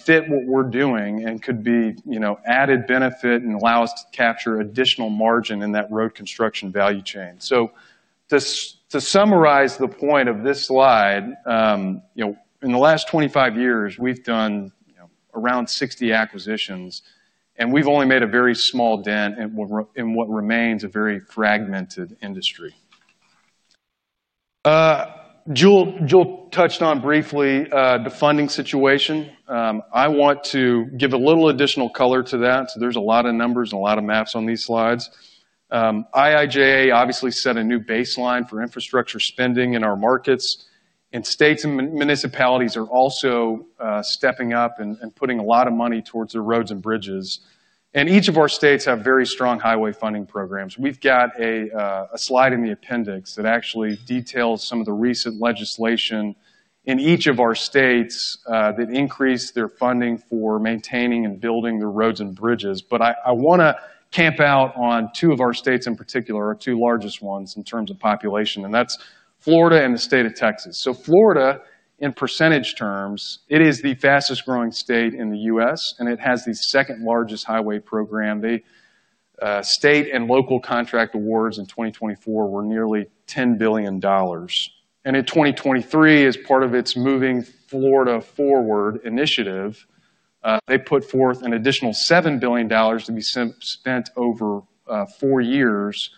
fit what we're doing and could be added benefit and allow us to capture additional margin in that road construction value chain. To summarize the point of this slide, in the last 25 years, we've done around 60 acquisitions, and we've only made a very small dent in what remains a very fragmented industry. Jule touched on briefly the funding situation. I want to give a little additional color to that. There's a lot of numbers and a lot of maps on these slides. IIJA obviously set a new baseline for infrastructure spending in our markets, and states and municipalities are also stepping up and putting a lot of money towards the roads and bridges. Each of our states have very strong highway funding programs. We've got a slide in the appendix that actually details some of the recent legislation in each of our states that increased their funding for maintaining and building the roads and bridges. I want to camp out on two of our states in particular, our two largest ones in terms of population, and that's Florida and the state of Texas. Florida, in percentage terms, is the fastest growing state in the U.S., and it has the second largest highway program. The state and local contract awards in 2024 were nearly $10 billion. In 2023, as part of its Moving Florida Forward initiative, they put forth an additional $7 billion to be spent over four years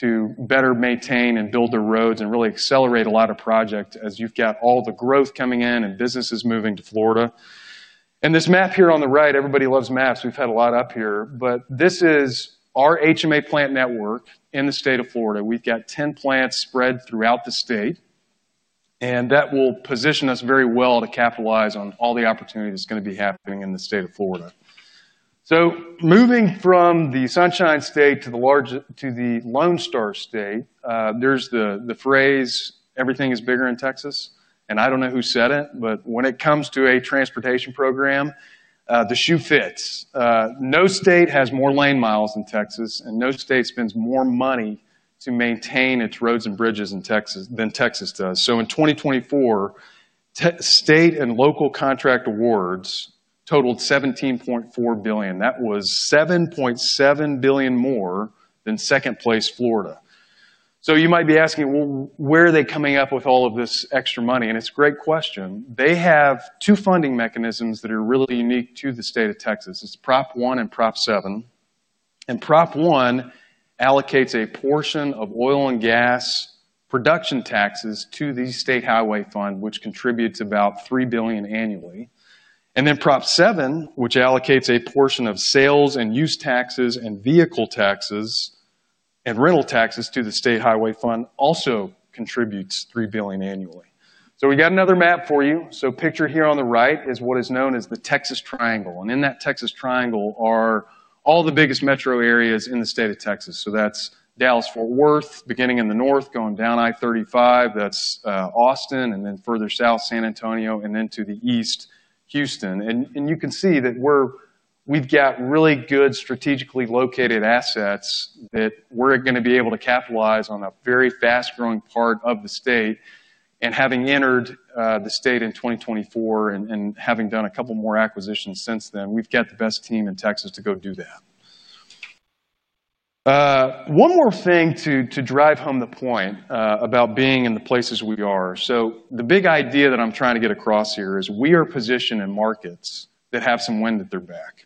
to better maintain and build the roads and really accelerate a lot of projects as you've got all the growth coming in and businesses moving to Florida. This map here on the right, everybody loves maps. We've had a lot up here, but this is our HMA plant network in the state of Florida. We've got 10 plants spread throughout the state, and that will position us very well to capitalize on all the opportunities that's going to be happening in the state of Florida. Moving from the Sunshine State to the Lone Star State, there's the phrase, "Everything is bigger in Texas." I don't know who said it, but when it comes to a transportation program, the shoe fits. No state has more lane miles than Texas, and no state spends more money to maintain its roads and bridges than Texas does. In 2024, state and local contract awards totaled $17.4 billion. That was $7.7 billion more than second place Florida. You might be asking, where are they coming up with all of this extra money? It's a great question. They have two funding mechanisms that are really unique to the state of Texas. It's Prop 1 and Prop 7. Prop 1 allocates a portion of oil and gas production taxes to the state highway fund, which contributes about $3 billion annually. Prop 7, which allocates a portion of sales and use taxes and vehicle taxes and rental taxes to the state highway fund, also contributes $3 billion annually. Pictured here on the right is what is known as the Texas Triangle. In that Texas Triangle are all the biggest metro areas in the state of Texas. That's Dallas-Fort Worth, beginning in the north, going down I-35, Austin, and then further south, San Antonio, and then to the east, Houston. You can see that we've got really good strategically located assets that we're going to be able to capitalize on in a very fast-growing part of the state. Having entered the state in 2024 and having done a couple more acquisitions since then, we've got the best team in Texas to go do that. One more thing to drive home the point about being in the places we are. The big idea that I'm trying to get across here is we are positioned in markets that have some wind at their back.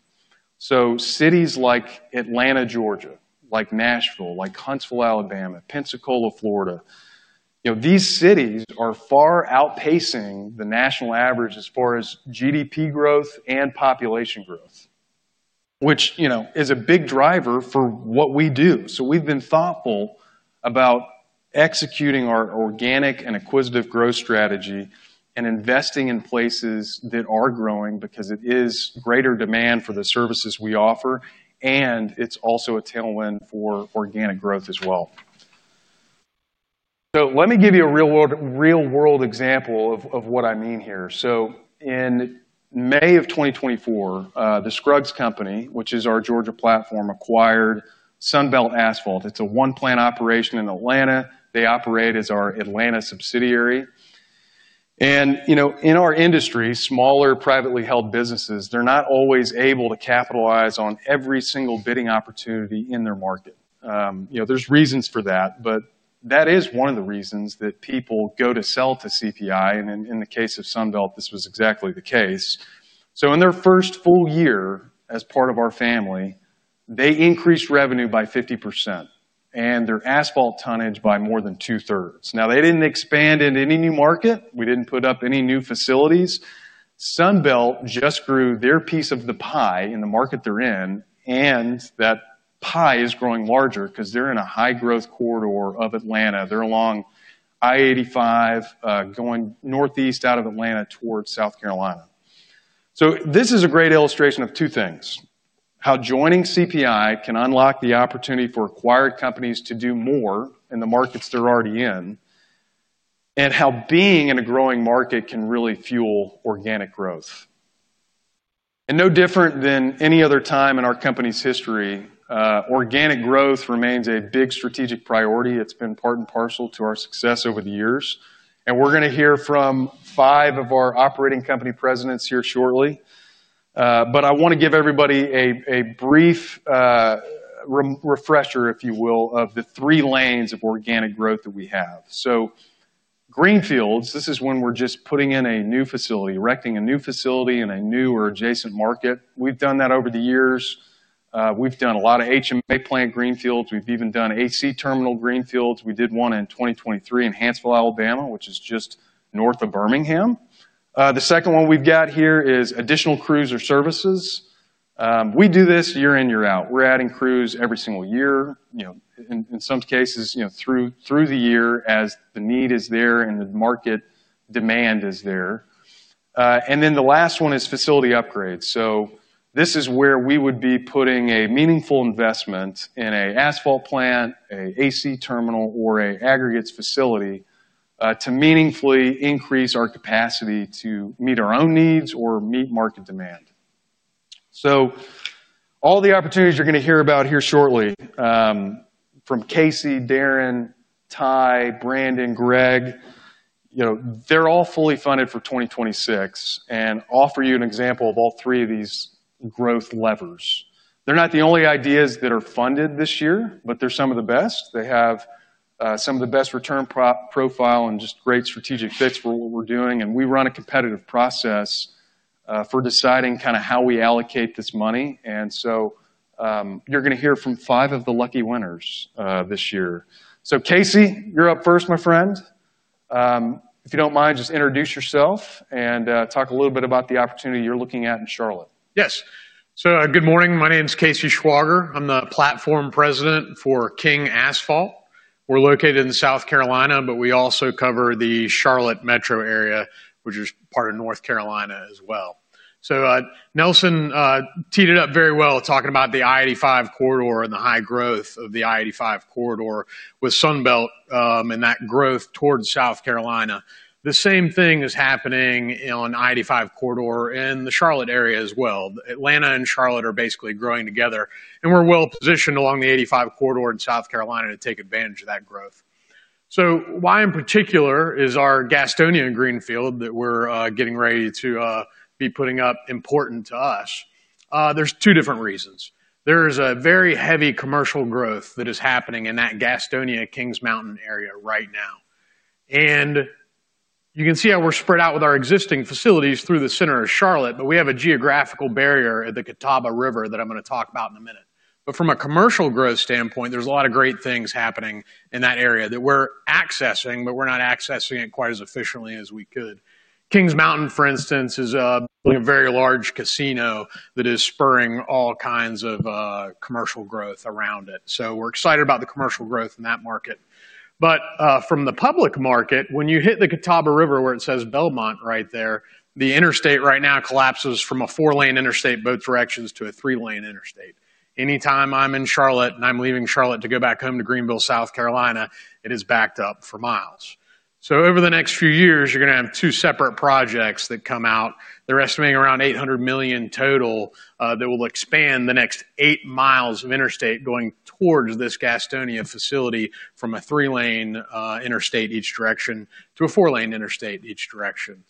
Cities like Atlanta, Georgia, like Nashville, like Huntsville, Alabama, Pensacola, Florida, these cities are far outpacing the national average as far as GDP growth and population growth, which is a big driver for what we do. We've been thoughtful about executing our organic and acquisitive growth strategy and investing in places that are growing because it is greater demand for the services we offer, and it's also a tailwind for organic growth as well. Let me give you a real-world example of what I mean here. In May of 2024, the Scruggs Company, which is our Georgia platform, acquired Sunbelt Asphalt. It's a one-plant operation in Atlanta. They operate as our Atlanta subsidiary. In our industry, smaller privately held businesses are not always able to capitalize on every single bidding opportunity in their market. There are reasons for that, but that is one of the reasons that people go to sell to Construction Partners, Inc. In the case of Sunbelt, this was exactly the case. In their first full year as part of our family, they increased revenue by 50% and their asphalt tonnage by more than two-thirds. They didn't expand into any new market. We didn't put up any new facilities. Sun Belt just grew their piece of the pie in the market they're in, and that pie is growing larger because they're in a high-growth corridor of Atlanta. They're along I-85 going northeast out of Atlanta towards South Carolina. This is a great illustration of two things: how joining CPI can unlock the opportunity for acquired companies to do more in the markets they're already in, and how being in a growing market can really fuel organic growth. No different than any other time in our company's history, organic growth remains a big strategic priority. It's been part and parcel to our success over the years. We're going to hear from five of our Operating Company Presidents here shortly. I want to give everybody a brief refresher, if you will, of the three lanes of organic growth that we have. Greenfields, this is when we're just putting in a new facility, erecting a new facility in a new or adjacent market. We've done that over the years. We've done a lot of HMA plant greenfields. We've even done AC terminal greenfields. We did one in 2023 in Hansville, Alabama, which is just north of Birmingham. The second one we've got here is additional crews or services. We do this year in, year out. We're adding crews every single year, in some cases through the year as the need is there and the market demand is there. The last one is facility upgrades. This is where we would be putting a meaningful investment in an asphalt plant, an AC terminal, or an aggregates facility to meaningfully increase our capacity to meet our own needs or meet market demand. All the opportunities you're going to hear about here shortly from Casey, Darin, Ty, Brandon, Greg, they're all fully funded for 2026 and offer you an example of all three of these growth levers. They're not the only ideas that are funded this year, but they're some of the best. They have some of the best return profile and just great strategic fits for what we're doing. We run a competitive process for deciding kind of how we allocate this money. You're going to hear from five of the lucky winners this year. Casey, you're up first, my friend. If you don't mind, just introduce yourself and talk a little bit about the opportunity you're looking at in Charlotte. Yes. Good morning. My name's Casey Schwager. I'm the Platform President for King Asphalt. We're located in South Carolina, but we also cover the Charlotte metro area, which is part of North Carolina as well. Nelson teed it up very well talking about the I-85 corridor and the high growth of the I-85 corridor with the Sun Belt and that growth towards South Carolina. The same thing is happening on the I-85 corridor in the Charlotte area as well. Atlanta and Charlotte are basically growing together, and we're well positioned along the 85 corridor in South Carolina to take advantage of that growth. Why in particular is our Gastonia greenfield that we're getting ready to be putting up important to us? There are two different reasons. There is a very heavy commercial growth that is happening in that Gastonia Kings Mountain area right now. You can see how we're spread out with our existing facilities through the center of Charlotte, but we have a geographical barrier at the Catawba River that I'm going to talk about in a minute. From a commercial growth standpoint, there's a lot of great things happening in that area that we're accessing, but we're not accessing it quite as efficiently as we could. Kings Mountain, for instance, is a very large casino that is spurring all kinds of commercial growth around it. We're excited about the commercial growth in that market. From the public market, when you hit the Catawba River where it says Belmont right there, the interstate right now collapses from a four-lane interstate both directions to a three-lane interstate. Anytime I'm in Charlotte and I'm leaving Charlotte to go back home to Greenville, South Carolina, it is backed up for miles. Over the next few years, you're going to have two separate projects that come out. They're estimating around $800 million total that will expand the next eight miles of interstate going towards this Gastonia facility from a three-lane interstate each direction to a four-lane interstate each direction.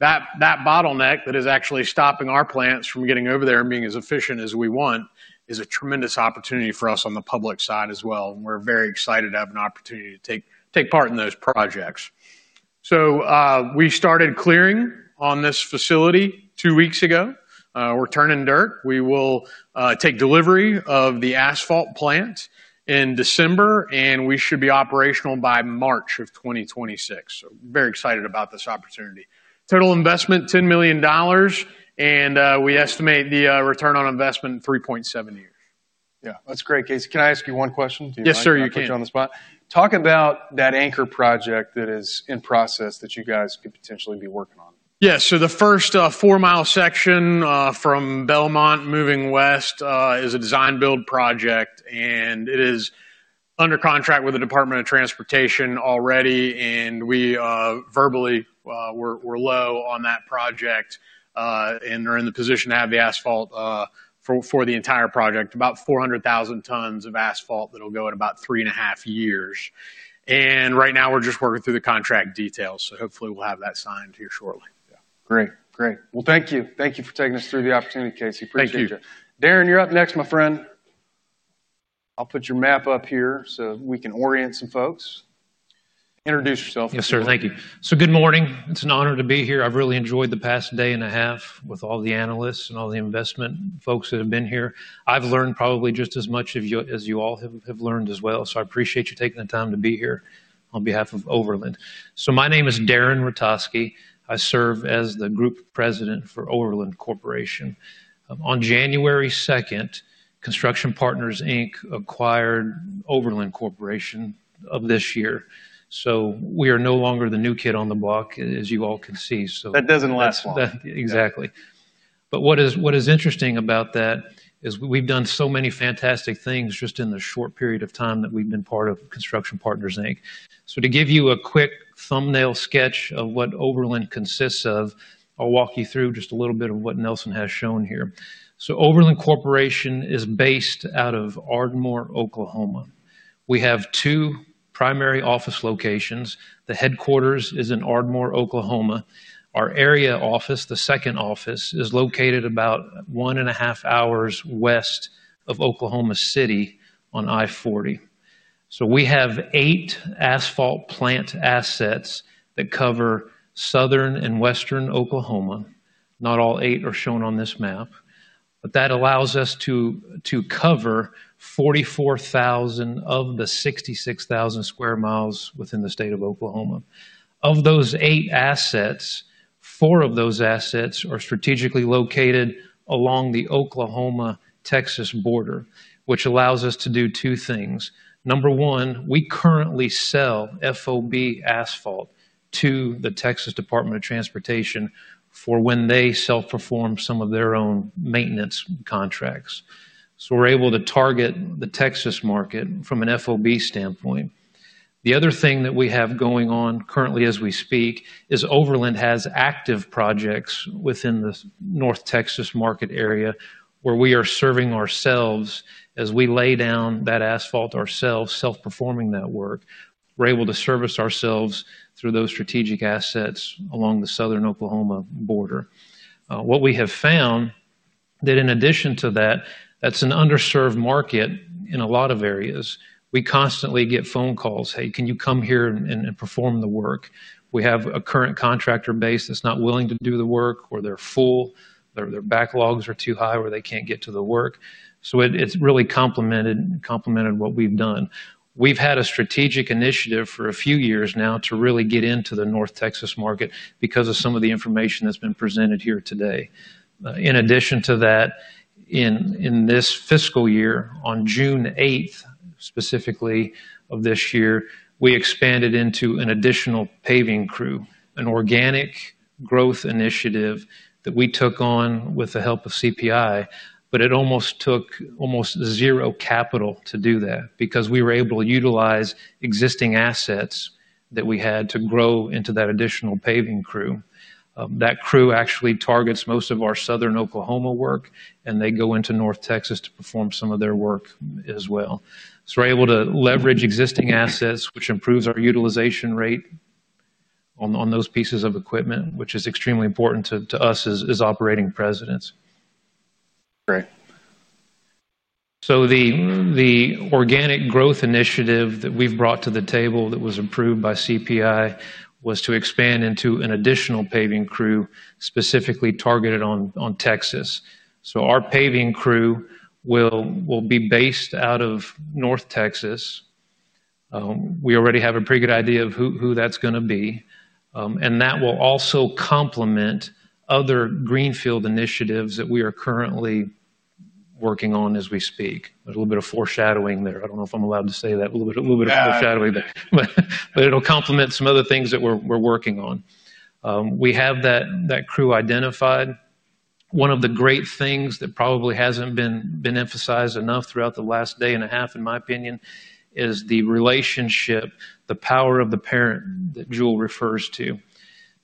That bottleneck that is actually stopping our plants from getting over there and being as efficient as we want is a tremendous opportunity for us on the public side as well. We're very excited to have an opportunity to take part in those projects. We started clearing on this facility two weeks ago. We're turning dirt. We will take delivery of the asphalt plant in December, and we should be operational by March of 2026. Very excited about this opportunity. Total investment, $10 million, and we estimate the return on investment in 3.7 years. Yeah, that's great, Casey. Can I ask you one question? Yes, sir. Talking about that anchor project that is in process that you guys could potentially be working on. Yes. The first four-mile section from Belmont moving west is a design-build project, and it is under contract with the Department of Transportation already. We verbally were low on that project, and they're in the position to have the asphalt for the entire project, about 400,000 tons of asphalt that'll go in about three and a half years. Right now, we're just working through the contract details. Hopefully, we'll have that signed here shortly. Great, great. Thank you. Thank you for taking us through the opportunity, Casey. Appreciate you. Thank you. Darin, you're up next, my friend. I'll put your map up here so we can orient some folks. Introduce yourself. Yes, sir. Thank you. Good morning. It's an honor to be here. I've really enjoyed the past day and a half with all the analysts and all the investment folks that have been here. I've learned probably just as much as you all have learned as well. I appreciate you taking the time to be here on behalf of Overland. My name is Darin Rutosky. I serve as the Group President for Overland Corporation. On January 2, Construction Partners, Inc. acquired Overland Corporation of this year. We are no longer the new kid on the block, as you all can see. That doesn't last long. Exactly. What is interesting about that is we've done so many fantastic things just in the short period of time that we've been part of Construction Partners, Inc. To give you a quick thumbnail sketch of what Overland consists of, I'll walk you through just a little bit of what Nelson has shown here. Overland Corporation is based out of Ardmore, Oklahoma. We have two primary office locations. The headquarters is in Ardmore, Oklahoma. Our area office, the second office, is located about one and a half hours west of Oklahoma City on I-40. We have eight asphalt plant assets that cover southern and western Oklahoma. Not all eight are shown on this map, but that allows us to cover 44,000 of the 66,000 square miles within the state of Oklahoma. Of those eight assets, four of those assets are strategically located along the Oklahoma-Texas border, which allows us to do two things. Number one, we currently sell FOB asphalt to the Texas Department of Transportation for when they self-perform some of their own maintenance contracts. We're able to target the Texas market from an FOB standpoint. The other thing that we have going on currently as we speak is Overland has active projects within the North Texas market area where we are serving ourselves as we lay down that asphalt ourselves, self-performing that work. We're able to service ourselves through those strategic assets along the southern Oklahoma border. What we have found is that in addition to that, that's an underserved market in a lot of areas. We constantly get phone calls, "Hey, can you come here and perform the work?" We have a current contractor base that's not willing to do the work or they're full, their backlogs are too high, or they can't get to the work. It's really complemented what we've done. We've had a strategic initiative for a few years now to really get into the North Texas market because of some of the information that's been presented here today. In addition to that, in this fiscal year, on June 8 specifically of this year, we expanded into an additional paving crew, an organic growth initiative that we took on with the help of CPI, but it almost took almost zero capital to do that because we were able to utilize existing assets that we had to grow into that additional paving crew. That crew actually targets most of our southern Oklahoma work, and they go into North Texas to perform some of their work as well. We're able to leverage existing assets, which improves our utilization rate on those pieces of equipment, which is extremely important to us as Operating Presidents. Great. The organic growth initiative that we've brought to the table that was approved by Construction Partners, Inc. was to expand into an additional paving crew specifically targeted on Texas. Our paving crew will be based out of North Texas. We already have a pretty good idea of who that's going to be, and that will also complement other greenfield initiatives that we are currently working on as we speak. There's a little bit of foreshadowing there. I don't know if I'm allowed to say that, a little bit of foreshadowing, but it'll complement some other things that we're working on. We have that crew identified. One of the great things that probably hasn't been emphasized enough throughout the last day and a half, in my opinion, is the relationship, the power of the parent that Jule refers to.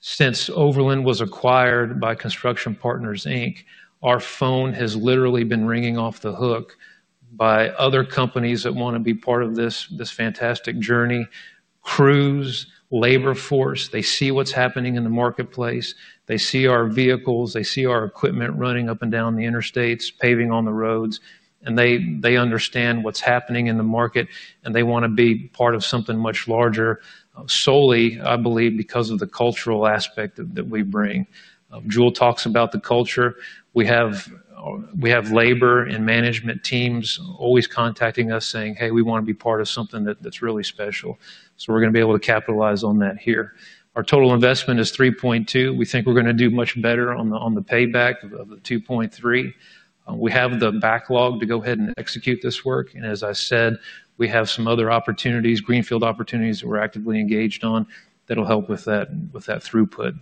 Since Overland was acquired by Construction Partners, Inc., our phone has literally been ringing off the hook by other companies that want to be part of this fantastic journey. Crews, labor force, they see what's happening in the marketplace. They see our vehicles, they see our equipment running up and down the interstates, paving on the roads, and they understand what's happening in the market, and they want to be part of something much larger solely, I believe, because of the cultural aspect that we bring. Jule talks about the culture. We have labor and management teams always contacting us saying, "Hey, we want to be part of something that's really special." We're going to be able to capitalize on that here. Our total investment is $3.2 million. We think we're going to do much better on the payback of the $2.3 million. We have the backlog to go ahead and execute this work. As I said, we have some other opportunities, greenfield opportunities that we're actively engaged on that'll help with that throughput.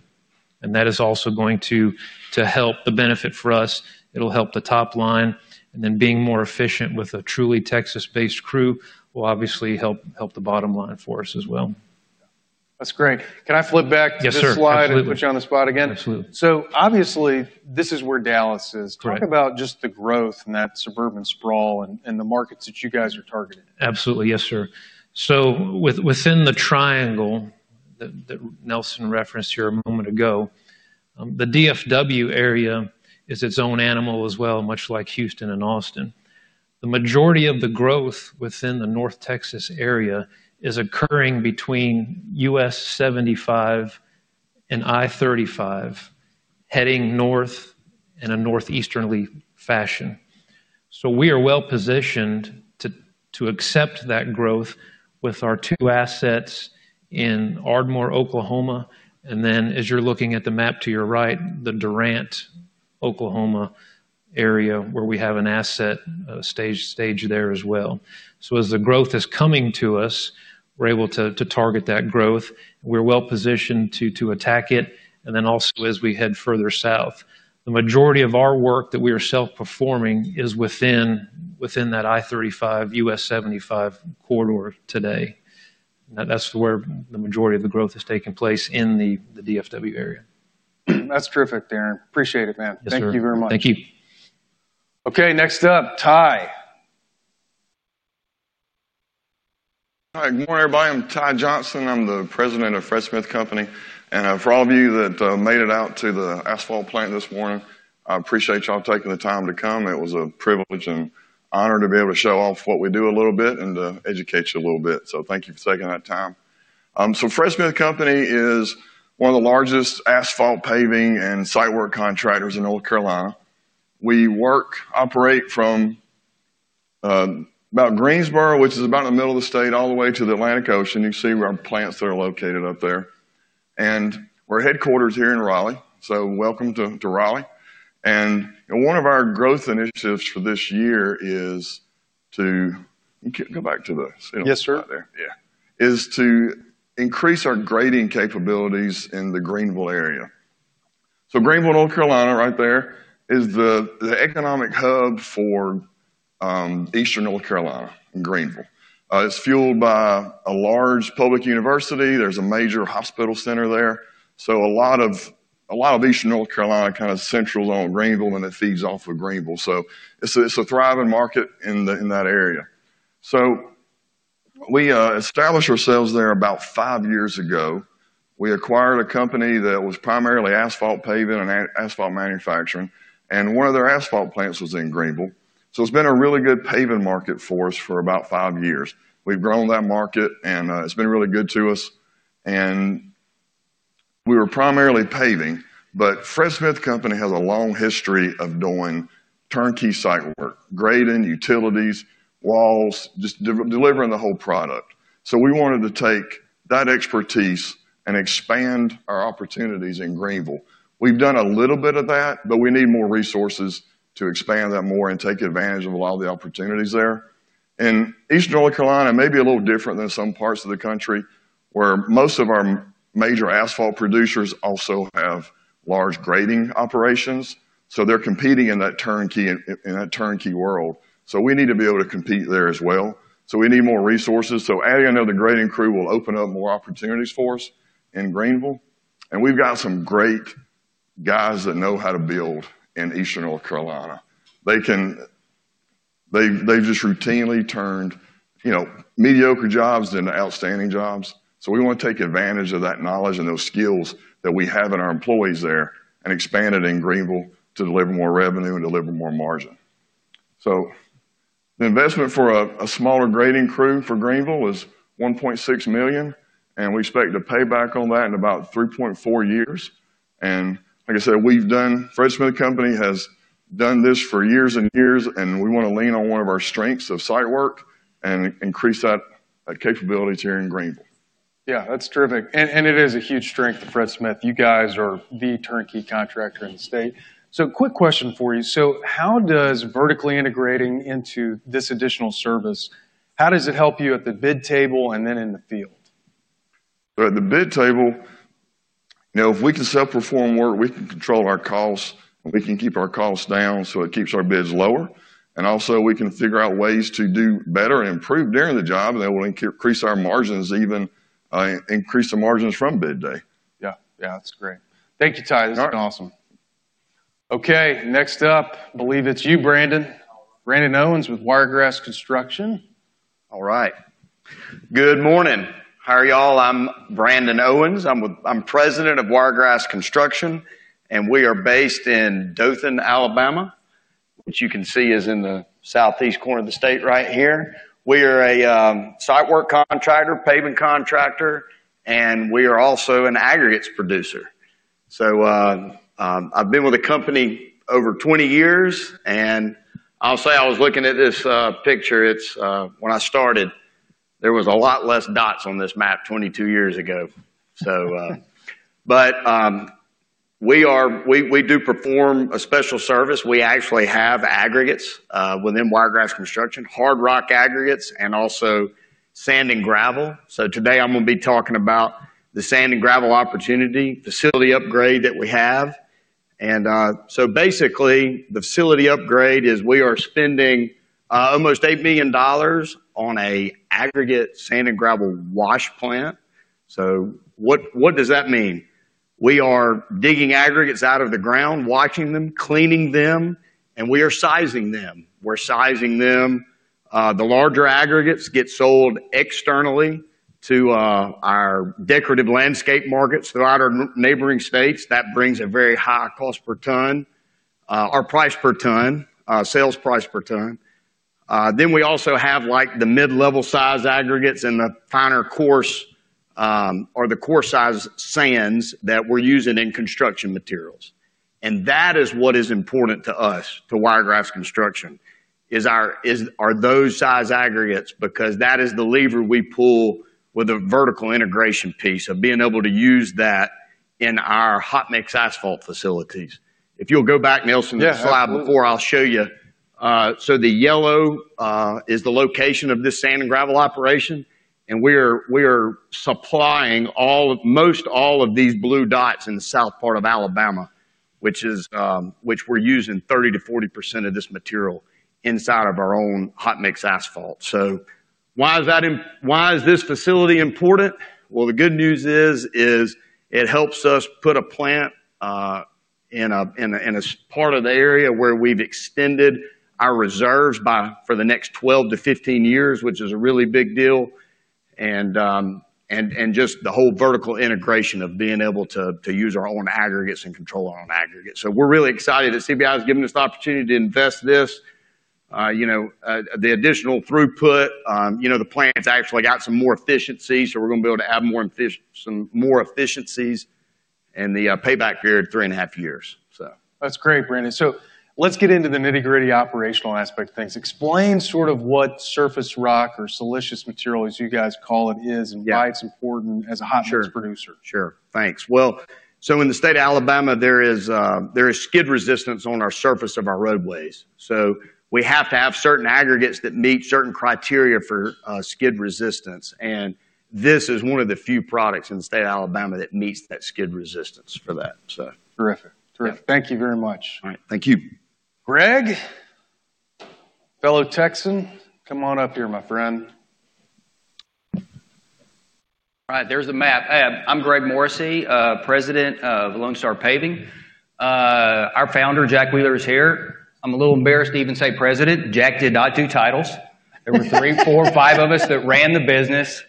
That is also going to help the benefit for us. It'll help the top line, and then being more efficient with a truly Texas-based crew will obviously help the bottom line for us as well. That's great. Can I flip back to the slide and put you on the spot again? Absolutely. This is where Dallas is. Talk about just the growth and that suburban sprawl and the markets that you guys are targeting. Absolutely. Yes, sir. Within the triangle that Nelson referenced here a moment ago, the DFW area is its own animal as well, much like Houston and Austin. The majority of the growth within the North Texas area is occurring between US 75 and I-35 heading north in a northeasterly fashion. We are well positioned to accept that growth with our two assets in Ardmore, Oklahoma, and then as you're looking at the map to your right, the Durant, Oklahoma area where we have an asset staged there as well. As the growth is coming to us, we're able to target that growth. We're well positioned to attack it. Also, as we head further south, the majority of our work that we are self-performing is within that I-35 US 75 corridor today, and that's where the majority of the growth is taking place in the DFW area. That's terrific, Darin. Appreciate it, man. Thank you very much. Thank you. Okay, next up, Ty. Good morning, everybody. I'm Ty Johnson. I'm the President of Fred Smith Company. For all of you that made it out to the asphalt plant this morning, I appreciate y'all taking the time to come. It was a privilege and honor to be able to show off what we do a little bit and to educate you a little bit. Thank you for taking that time. Fred Smith Company is one of the largest asphalt paving and site work contractors in North Carolina. We operate from about Greensboro, which is about in the middle of the state, all the way to the Atlantic Ocean. You see our plants that are located up there. We're headquartered here in Raleigh. Welcome to Raleigh. One of our growth initiatives for this year is to go back to the. Yes, sir. Yeah, it is to increase our grading capabilities in the Greenville area. Greenville, North Carolina, right there is the economic hub for Eastern North Carolina. It's fueled by a large public university. There's a major hospital center there. A lot of Eastern North Carolina kind of centers on Greenville and it feeds off of Greenville. It's a thriving market in that area. We established ourselves there about five years ago. We acquired a company that was primarily asphalt paving and asphalt manufacturing, and one of their asphalt plants was in Greenville. It's been a really good paving market for us for about five years. We've grown that market and it's been really good to us. We were primarily paving, but Fred Smith Company has a long history of doing turnkey site work, grading, utilities, walls, just delivering the whole product. We wanted to take that expertise and expand our opportunities in Greenville. We've done a little bit of that, but we need more resources to expand that more and take advantage of a lot of the opportunities there. Eastern North Carolina may be a little different than some parts of the country where most of our major asphalt producers also have large grading operations. They're competing in that turnkey world. We need to be able to compete there as well. We need more resources. Adding another grading crew will open up more opportunities for us in Greenville. We've got some great guys that know how to build in Eastern North Carolina. They've just routinely turned mediocre jobs into outstanding jobs. We want to take advantage of that knowledge and those skills that we have in our employees there and expand it in Greenville to deliver more revenue and deliver more margin. The investment for a smaller grading crew for Greenville is $1.6 million. We expect a payback on that in about 3.4 years. Like I said, Fred Smith Company has done this for years and years. We want to lean on one of our strengths of site work and increase that capability here in Greenville. Yeah, that's terrific. It is a huge strength to Fred Smith. You guys are the turnkey contractor in the state. Quick question for you. How does vertically integrating into this additional service help you at the bid table and then in the field? The bid table, you know, if we can self-perform work, we can control our costs and we can keep our costs down, so it keeps our bids lower. We can figure out ways to do better and improve during the job, and that will increase our margins, even increase the margins from bid day. Yeah, that's great. Thank you, Ty. This has been awesome. Okay, next up, I believe it's you, Brandon. Brandon Owens with Wiregrass Construction. All right. Good morning. How are y'all? I'm Brandon Owens. I'm President of Wiregrass Construction. We are based in Dothan, Alabama, which you can see is in the southeast corner of the state right here. We are a site work contractor, paving contractor, and we are also an aggregates producer. I've been with the company over 20 years. I was looking at this picture. When I started, there were a lot less dots on this map 22 years ago. We do perform a special service. We actually have aggregates within Wiregrass Construction, hard rock aggregates and also sand and gravel. Today I'm going to be talking about the sand and gravel opportunity, facility upgrade that we have. Basically, the facility upgrade is we are spending almost $8 million on an aggregate sand and gravel wash plant. What does that mean? We are digging aggregates out of the ground, washing them, cleaning them, and we are sizing them. We're sizing them. The larger aggregates get sold externally to our decorative landscape markets throughout our neighboring states. That brings a very high cost per ton, our price per ton, sales price per ton. We also have the mid-level size aggregates and the finer course or the course size sands that we're using in construction materials. That is what is important to us, to Wiregrass Construction, is those size aggregates because that is the lever we pull with a vertical integration piece of being able to use that in our hot mix asphalt facilities. If you'll go back, Nelson, to the slide before, I'll show you. The yellow is the location of this sand and gravel operation. We are supplying most all of these blue dots in the south part of Alabama, which is where we're using 30% to 40% of this material inside of our own hot mix asphalt. Why is this facility important? The good news is it helps us put a plant in a part of the area where we've extended our reserves for the next 12 to 15 years, which is a really big deal. Just the whole vertical integration of being able to use our own aggregates and control our own aggregates. We're really excited that CPI has given us the opportunity to invest this. The additional throughput, the plant's actually got some more efficiency, so we're going to be able to add more efficiencies and the payback period is three and a half years. That's great, Brandon. Let's get into the nitty-gritty operational aspect of things. Explain what surface rock or silicious material, as you guys call it, is and why it's important as a hot mix producer. Sure, thanks. In the state of Alabama, there is skid resistance on our surface of our roadways. We have to have certain aggregates that meet certain criteria for skid resistance. This is one of the few products in the state of Alabama that meets that skid resistance for that. Terrific. Terrific. Thank you very much. All right, thank you. Greg, fellow Texan, come on up here, my friend. All right. There's the map. I'm Greg Hoffman, President of Lone Star Paving. Our founder, Jack Wheeler, is here. I'm a little embarrassed to even say President. Jack did not do titles. There were three, four, five of us that ran the business.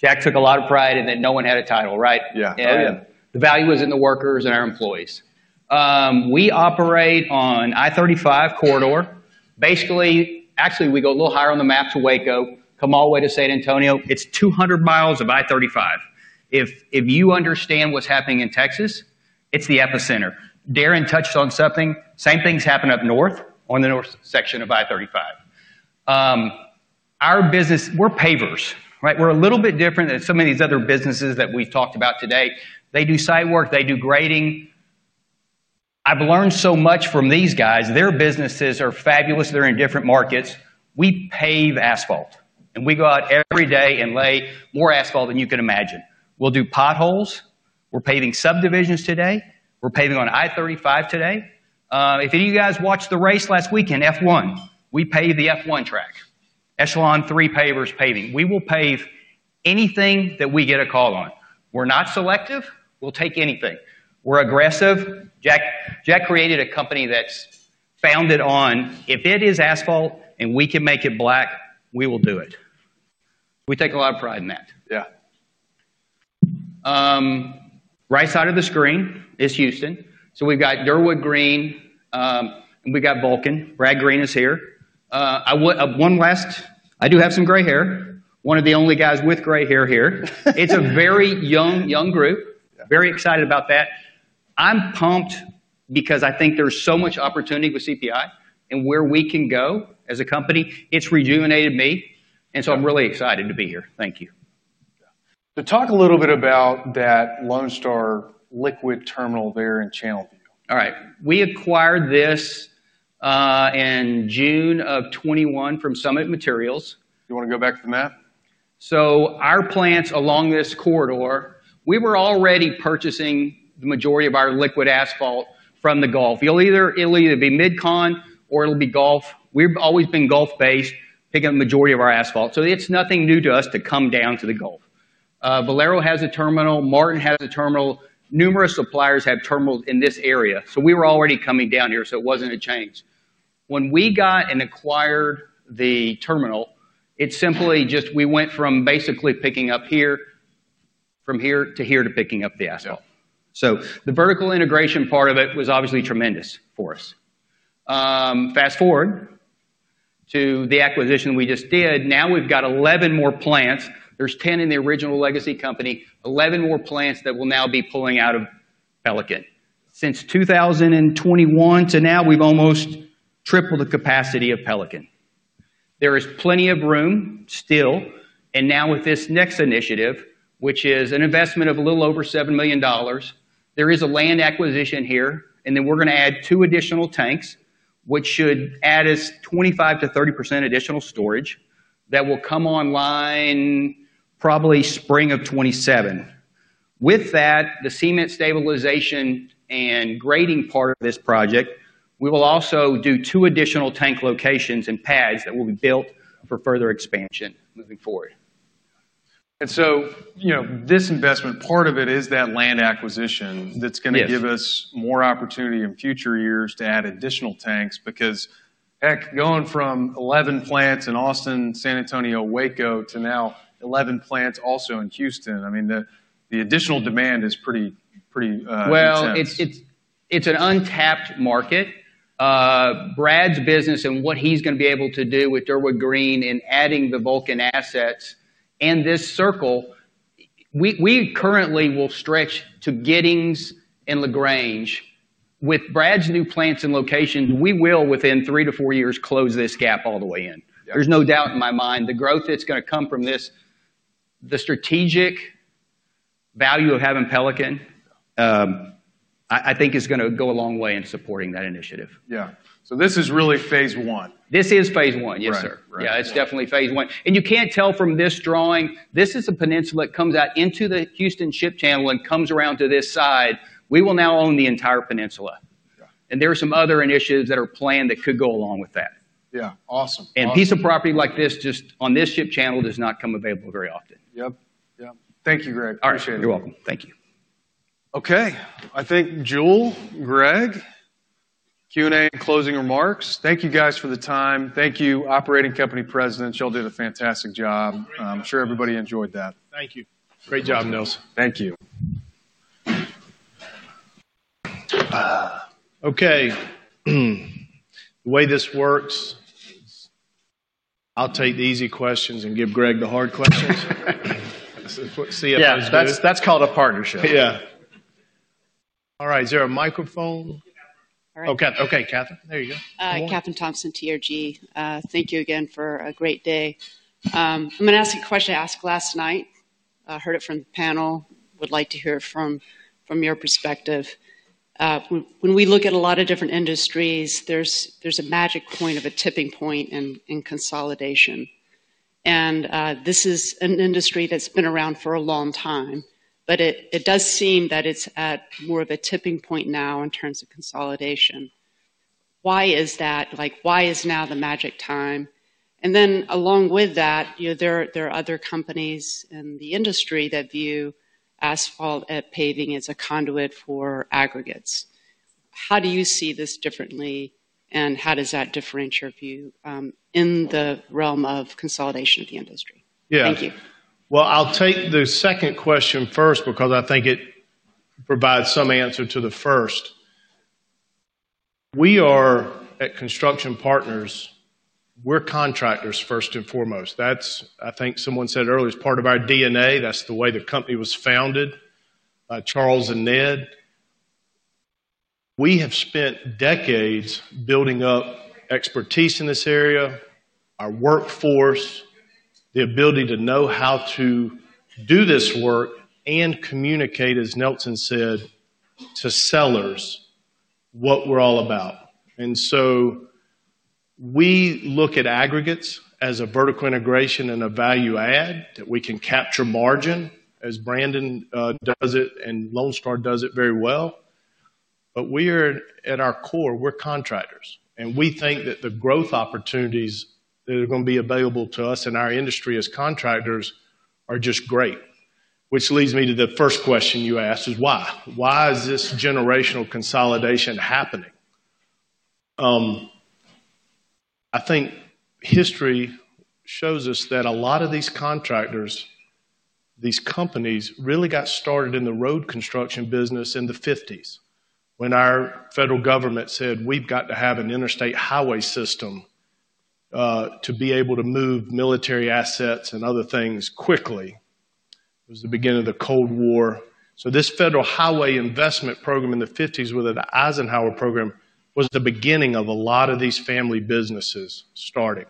Jack took a lot of pride in that no one had a title, right? Yeah. The value was in the workers and our employees. We operate on the I-35 corridor. Basically, actually, we go a little higher on the map to Waco, come all the way to San Antonio. It's 200 miles of I-35. If you understand what's happening in Texas, it's the epicenter. Darin touched on something. Same things happen up north on the north section of I-35. Our business, we're pavers, right? We're a little bit different than some of these other businesses that we've talked about today. They do site work. They do grading. I've learned so much from these guys. Their businesses are fabulous. They're in different markets. We pave asphalt, and we go out every day and lay more asphalt than you can imagine. We'll do potholes. We're paving subdivisions today. We're paving on I-35 today. If any of you guys watched the race last weekend, F1, we paved the F1 track. Echelon 3 pavers paving. We will pave anything that we get a call on. We're not selective. We'll take anything. We're aggressive. Jack created a company that's founded on, if it is asphalt and we can make it black, we will do it. We take a lot of pride in that. Yeah. Right side of the screen is Houston. We've got Dirwood Green, and we've got Vulcan. Brad Green is here. I want one last. I do have some gray hair, one of the only guys with gray hair here. It's a very young, young group. Very excited about that. I'm pumped because I think there's so much opportunity with CPI and where we can go as a company. It's rejuvenated me, and I'm really excited to be here. Thank you. Yeah, to talk a little bit about that Lone Star Paving liquid terminal there in Channelview. All right. We acquired this in June of 2021 from Summit Materials. You want to go back to the map? Our plants along this corridor were already purchasing the majority of our liquid asphalt from the Gulf. It'll either be MidCon or it'll be Gulf. We've always been Gulf-based, picking up the majority of our asphalt. It's nothing new to us to come down to the Gulf. Valero has a terminal. Martin has a terminal. Numerous suppliers have terminals in this area. We were already coming down here. It wasn't a change. When we acquired the terminal, we went from basically picking up here from here to here to picking up the asphalt. The vertical integration part of it was obviously tremendous for us. Fast forward to the acquisition we just did. Now we've got 11 more plants. There are 10 in the original legacy company, 11 more plants that will now be pulling out of Pelican. Since 2021 to now, we've almost tripled the capacity of Pelican. There is plenty of room still. With this next initiative, which is an investment of a little over $7 million, there is a land acquisition here. We're going to add two additional tanks, which should add us 25% to 30% additional storage that will come online probably spring of 2027. With that, the cement stabilization and grading part of this project, we will also do two additional tank locations and pads that will be built for further expansion moving forward. This investment, part of it is that land acquisition that's going to give us more opportunity in future years to add additional tanks because, heck, going from 11 plants in Austin, San Antonio, Waco to now 11 plants also in Houston, the additional demand is pretty, pretty. It's an untapped market. Brad's business and what he's going to be able to do with Dirwood Green and adding the Vulcan assets and this circle, we currently will stretch to Gettings and LaGrange. With Brad's new plants and locations, we will, within three to four years, close this gap all the way in. There's no doubt in my mind. The growth that's going to come from this, the strategic value of having Pelican, I think is going to go a long way in supporting that initiative. Yeah, this is really phase one. This is phase one. Yes, sir. Yeah, it's definitely phase one. You can't tell from this drawing, this is a peninsula that comes out into the Houston Ship Channel and comes around to this side. We will now own the entire peninsula. There are some other initiatives that are planned that could go along with that. Yeah, awesome. A piece of property like this just on this ship channel does not come available very often. Yep, yep. Thank you, Greg. Appreciate it. You're welcome. Thank you. Okay. I think Jule, Greg, Q&A, and closing remarks. Thank you guys for the time. Thank you, operating company presidents. Y'all did a fantastic job. I'm sure everybody enjoyed that. Thank you. Great job, Nelson. Thank you. Okay. The way this works, I'll take the easy questions and give Greg the hard questions. See if there's better. Yeah, that's called a partnership. All right. Is there a microphone? All right. Okay, okay, Kathryn. There you go. Thank you again for a great day. I'm going to ask a question I asked last night. I heard it from the panel. I would like to hear from your perspective. When we look at a lot of different industries, there's a magic point of a tipping point in consolidation. This is an industry that's been around for a long time, but it does seem that it's at more of a tipping point now in terms of consolidation. Why is that? Like, why is now the magic time? Along with that, there are other companies in the industry that view asphalt paving as a conduit for aggregates. How do you see this differently? How does that differentiate your view in the realm of consolidation of the industry? Yeah. Thank you. I'll take the second question first because I think it provides some answer to the first. We are at Construction Partners. We're contractors first and foremost. That's, I think someone said earlier, it's part of our DNA. That's the way the company was founded by Charles and Ned. We have spent decades building up expertise in this area, our workforce, the ability to know how to do this work and communicate, as Nelson said, to sellers what we're all about. We look at aggregates as a vertical integration and a value add that we can capture margin as Brandon does it and Lone Star does it very well. We are at our core, we're contractors. We think that the growth opportunities that are going to be available to us in our industry as contractors are just great, which leads me to the first question you asked: why? Why is this generational industry consolidation happening? I think history shows us that a lot of these contractors, these companies really got started in the road construction business in the 1950s when our federal government said, "We've got to have an interstate highway system to be able to move military assets and other things quickly." It was the beginning of the Cold War. This federal highway investment program in the 1950s with the Eisenhower program was the beginning of a lot of these family businesses starting.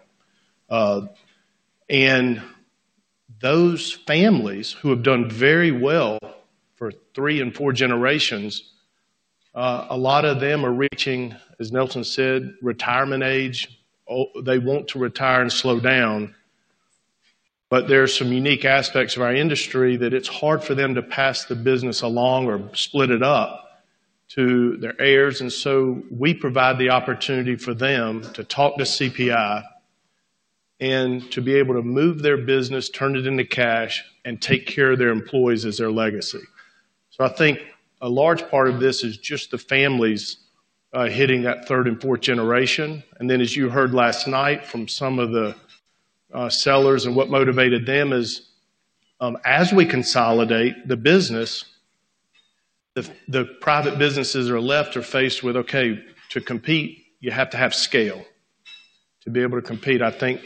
Those families who have done very well for three and four generations, a lot of them are reaching, as Nelson said, retirement age. They want to retire and slow down. There are some unique aspects of our industry that it's hard for them to pass the business along or split it up to their heirs. We provide the opportunity for them to talk to CPI and to be able to move their business, turn it into cash, and take care of their employees as their legacy. I think a large part of this is just the families hitting that third and fourth generation. As you heard last night from some of the sellers and what motivated them, as we consolidate the business, the private businesses are left or faced with, "Okay, to compete, you have to have scale to be able to compete." I think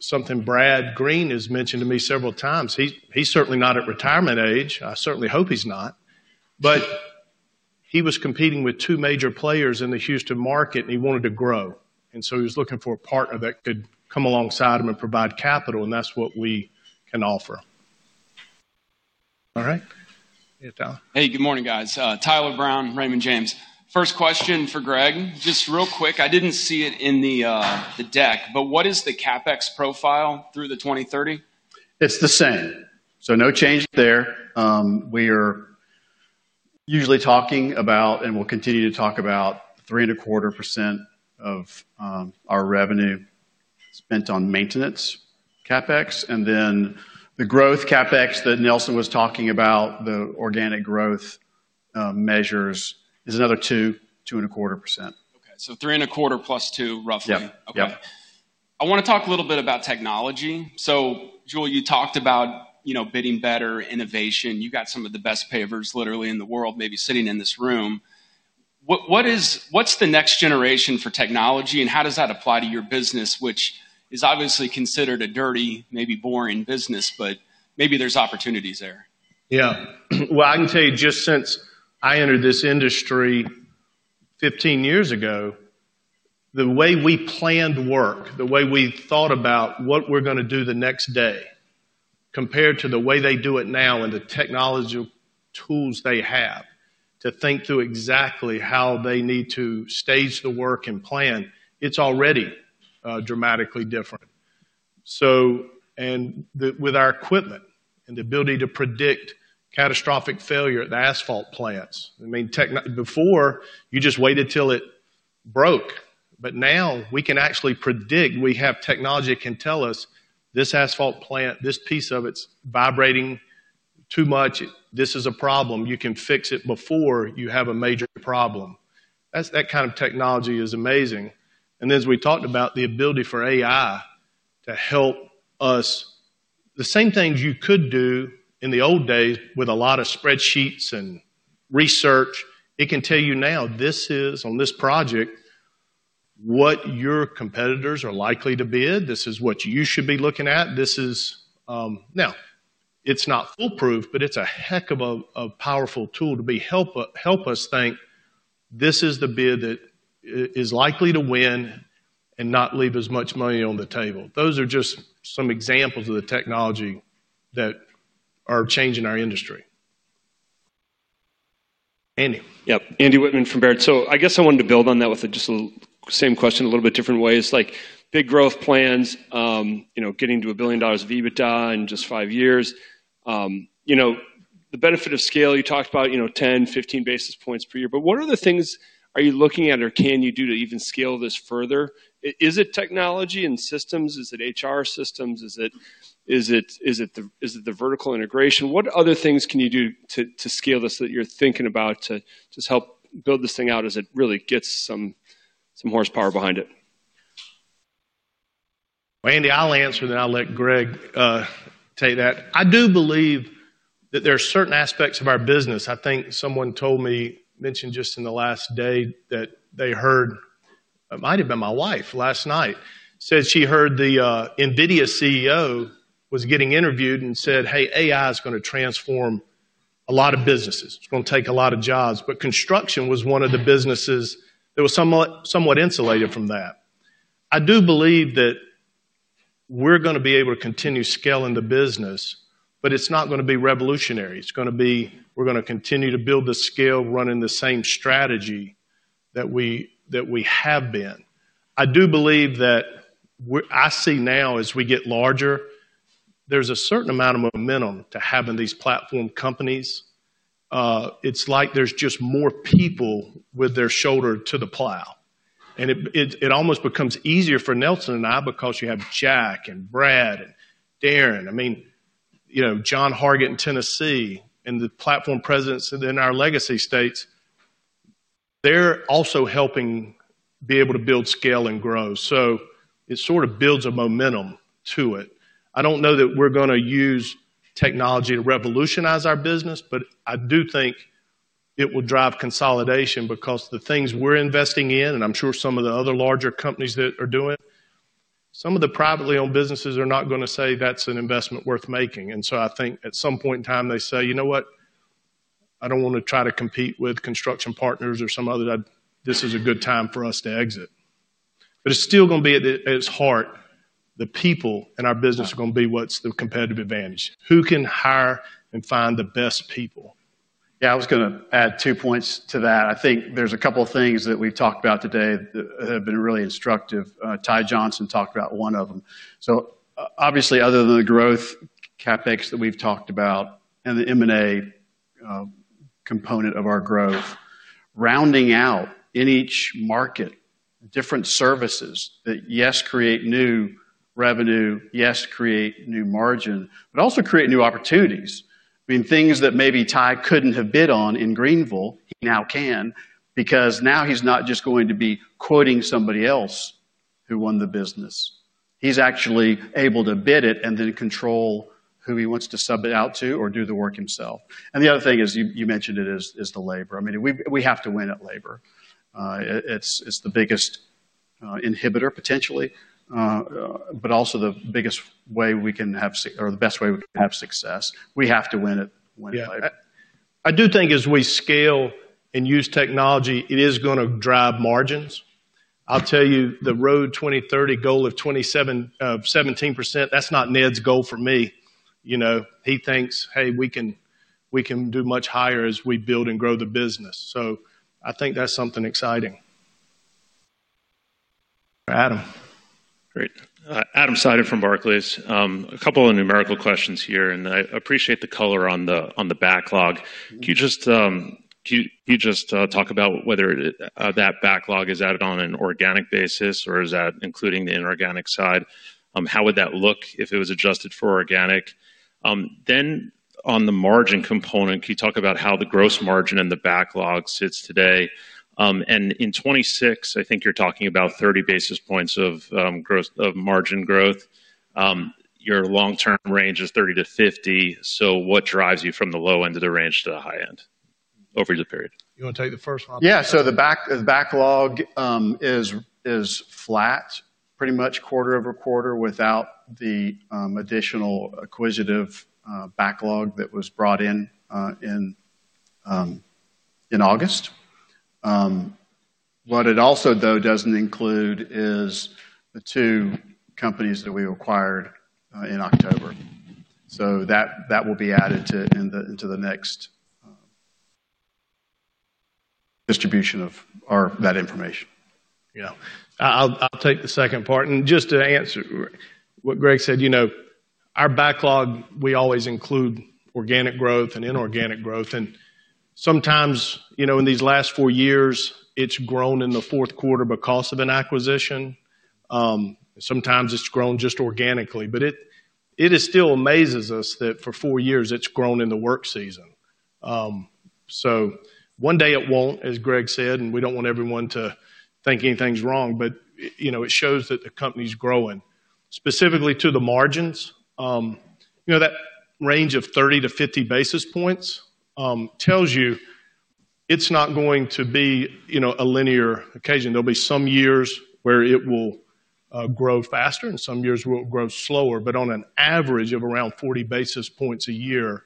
something Brad Green has mentioned to me several times. He's certainly not at retirement age. I certainly hope he's not. He was competing with two major players in the Houston market, and he wanted to grow. He was looking for a partner that could come alongside him and provide capital, and that's what we can offer. All right. Hey, good morning, guys. Tyler Brown, Raymond James. First question for Greg. Just real quick, I didn't see it in the deck, but what is the CapEx profile through 2030? It's the same, so no change there. We are usually talking about, and we'll continue to talk about, 3.25% of our revenue spent on maintenance CapEx. The growth CapEx that Nelson was talking about, the organic growth measures, is another 2%, 2.25%. Okay, $3.25 plus $2, roughly. Yeah. Okay. I want to talk a little bit about technology. Jule, you talked about bidding better, innovation. You got some of the best pavers literally in the world maybe sitting in this room. What's the next generation for technology, and how does that apply to your business, which is obviously considered a dirty, maybe boring business, but maybe there's opportunities there? Yeah. I can tell you just since I entered this industry 15 years ago, the way we planned work, the way we thought about what we're going to do the next day compared to the way they do it now and the technological tools they have to think through exactly how they need to stage the work and plan, it's already dramatically different. With our equipment and the ability to predict catastrophic failure at the asphalt plants, I mean, before, you just waited till it broke. Now we can actually predict. We have technology that can tell us this asphalt plant, this piece of it's vibrating too much. This is a problem. You can fix it before you have a major problem. That kind of technology is amazing. As we talked about, the ability for AI to help us, the same things you could do in the old days with a lot of spreadsheets and research, it can tell you now this is on this project what your competitors are likely to bid. This is what you should be looking at. It's not foolproof, but it's a heck of a powerful tool to help us think this is the bid that is likely to win and not leave as much money on the table. Those are just some examples of the technology that are changing our industry. Andy. Yep. Andy Wittmann from Baird. I wanted to build on that with just the same question in a little bit different ways. Big growth plans, you know, getting to a billion dollars of EBITDA in just five years. The benefit of scale you talked about, you know, 10, 15 basis points per year. What are the things are you looking at or can you do to even scale this further? Is it technology and systems? Is it HR systems? Is it the vertical integration? What other things can you do to scale this that you're thinking about to just help build this thing out as it really gets some horsepower behind it? Andy, I'll answer and then I'll let Greg take that. I do believe that there are certain aspects of our business. I think someone told me, mentioned just in the last day that they heard, it might have been my wife last night, said she heard the NVIDIA CEO was getting interviewed and said, "Hey, AI is going to transform a lot of businesses. It's going to take a lot of jobs." Construction was one of the businesses that was somewhat insulated from that. I do believe that we're going to be able to continue scaling the business, but it's not going to be revolutionary. We're going to continue to build the scale running the same strategy that we have been. I do believe that I see now as we get larger, there's a certain amount of momentum to having these platform companies. It's like there's just more people with their shoulder to the plow. It almost becomes easier for Nelson and I because you have Jack and Brad and Darin. I mean, you know, John Hargett in Tennessee and the platform presidents in our legacy states, they're also helping be able to build scale and grow. It sort of builds a momentum to it. I don't know that we're going to use technology to revolutionize our business, but I do think it will drive consolidation because the things we're investing in, and I'm sure some of the other larger companies that are doing it, some of the privately owned businesses are not going to say that's an investment worth making. I think at some point in time they say, "You know what? I don't want to try to compete with Construction Partners or some other. This is a good time for us to exit." It's still going to be at its heart. The people in our business are going to be what's the competitive advantage. Who can hire and find the best people? Yeah, I was going to add two points to that. I think there's a couple of things that we've talked about today that have been really instructive. Ty Johnson talked about one of them. Obviously, other than the growth CapEx that we've talked about and the M&A component of our growth, rounding out in each market different services that, yes, create new revenue, yes, create new margin, but also create new opportunities. I mean, things that maybe Ty couldn't have bid on in Greenville, he now can because now he's not just going to be quoting somebody else who won the business. He's actually able to bid it and then control who he wants to sub it out to or do the work himself. The other thing is you mentioned it is the labor. We have to win at labor. It's the biggest inhibitor potentially, but also the biggest way we can have, or the best way we can have success. We have to win at labor. Yeah. I do think as we scale and use technology, it is going to drive margins. I'll tell you the Road 2030 goal of 17%, that's not Ned's goal for me. You know, he thinks, "Hey, we can do much higher as we build and grow the business." I think that's something exciting. Adam. Great. Adam Sider from Barclays. A couple of numerical questions here, and I appreciate the color on the backlog. Can you just talk about whether that backlog is added on an organic basis or is that including the inorganic side? How would that look if it was adjusted for organic? On the margin component, can you talk about how the gross margin and the backlog sits today? In 2026, I think you're talking about 30 basis points of margin growth. Your long-term range is 30 to 50. What drives you from the low end of the range to the high end over the period? You want to take the first one? Yeah. The backlog is flat, pretty much quarter over quarter without the additional acquisitive backlog that was brought in in August. What it also doesn't include is the two companies that we acquired in October. That will be added into the next distribution of that information. I'll take the second part. Just to answer what Greg said, our backlog, we always include organic growth and inorganic growth. Sometimes, in these last four years, it's grown in the fourth quarter because of an acquisition. Sometimes it's grown just organically. It still amazes us that for four years it's grown in the work season. One day it won't, as Greg said, and we don't want everyone to think anything's wrong, but it shows that the company's growing. Specifically to the margins, that range of 30 to 50 basis points tells you it's not going to be a linear occasion. There'll be some years where it will grow faster and some years will grow slower. On an average of around 40 basis points a year,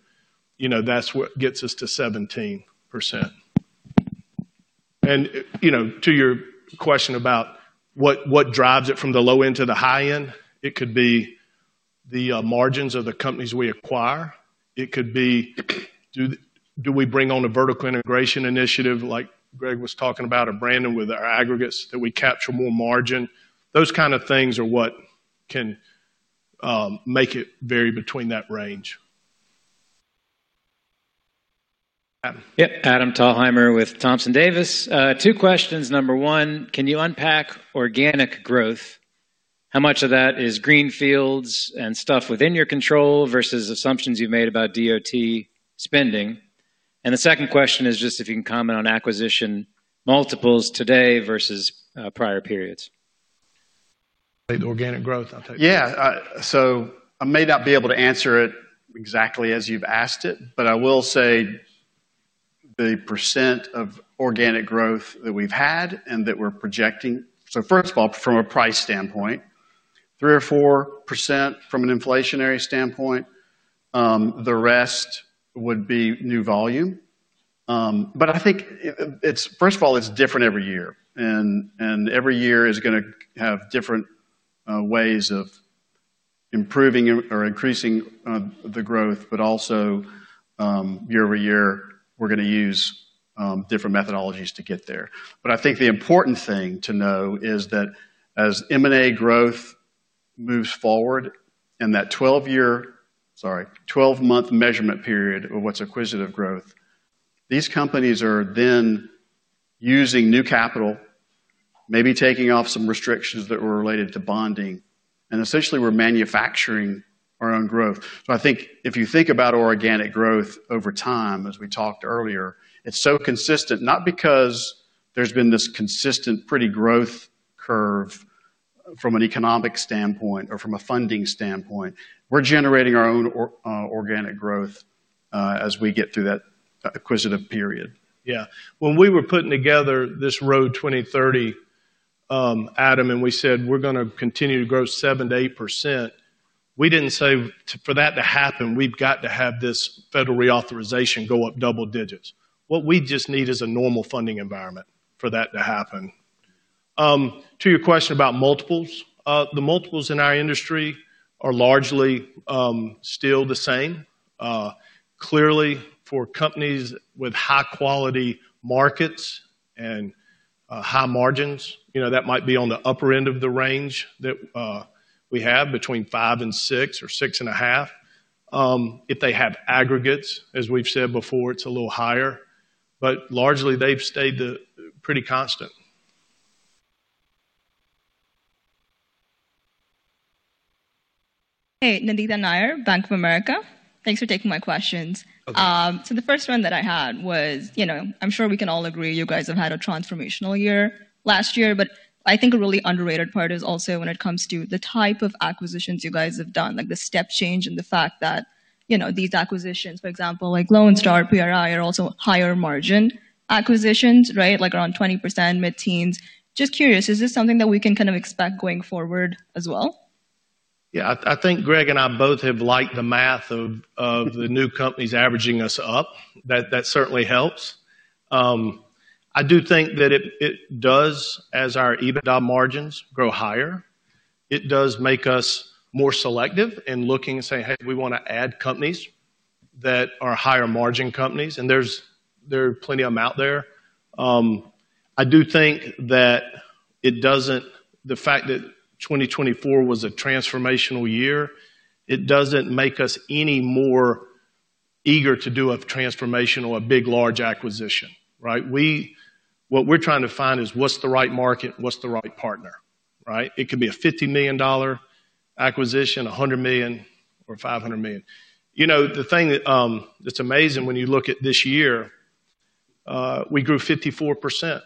that's what gets us to 17%. To your question about what drives it from the low end to the high end, it could be the margins of the companies we acquire. It could be, do we bring on a vertical integration initiative like Greg was talking about or Brandon with our aggregates that we capture more margin? Those kind of things are what can make it vary between that range. Yep. Adam Thalhimer with Thompson Davis. Two questions. Number one, can you unpack organic growth? How much of that is greenfields and stuff within your control versus assumptions you've made about DOT spending? The second question is just if you can comment on acquisition multiples today versus prior periods. The organic growth, I'll take that. I may not be able to answer it exactly as you've asked it, but I will say the % of organic growth that we've had and that we're projecting. First of all, from a price standpoint, 3% or 4% from an inflationary standpoint, the rest would be new volume. I think, first of all, it's different every year. Every year is going to have different ways of improving or increasing the growth, but also year over year, we're going to use different methodologies to get there. I think the important thing to know is that as M&A growth moves forward and that 12-month measurement period of what's acquisitive growth, these companies are then using new capital, maybe taking off some restrictions that were related to bonding. Essentially, we're manufacturing our own growth. I think if you think about organic growth over time, as we talked earlier, it's so consistent, not because there's been this consistent pretty growth curve from an economic standpoint or from a funding standpoint. We're generating our own organic growth as we get through that acquisitive period. Yeah. When we were putting together this Road 2030, Adam, and we said we're going to continue to grow 7 to 8%, we didn't say for that to happen, we've got to have this federal reauthorization go up double digits. What we just need is a normal funding environment for that to happen. To your question about multiples, the multiples in our industry are largely still the same. Clearly, for companies with high-quality markets and high margins, you know, that might be on the upper end of the range that we have between five and six or six and a half. If they have aggregates, as we've said before, it's a little higher. Largely, they've stayed pretty constant. Hey, Nandita Nair, Bank of America. Thanks for taking my questions. The first one that I had was, you know, I'm sure we can all agree you guys have had a transformational year last year. I think a really underrated part is also when it comes to the type of acquisitions you guys have done, like the step change and the fact that these acquisitions, for example, like Lone Star, PRI, are also higher margin acquisitions, right? Like around 20% mid-teens. Just curious, is this something that we can kind of expect going forward as well? Yeah. I think Greg and I both have liked the math of the new companies averaging us up. That certainly helps. I do think that it does, as our EBITDA margins grow higher, it does make us more selective in looking and saying, "Hey, we want to add companies that are higher margin companies." There are plenty of them out there. I do think that it doesn't, the fact that 2024 was a transformational year, it doesn't make us any more eager to do a transformational, a big, large acquisition, right? What we're trying to find is what's the right market and what's the right partner, right? It could be a $50 million acquisition, $100 million, or $500 million. You know, the thing that's amazing when you look at this year, we grew 54%.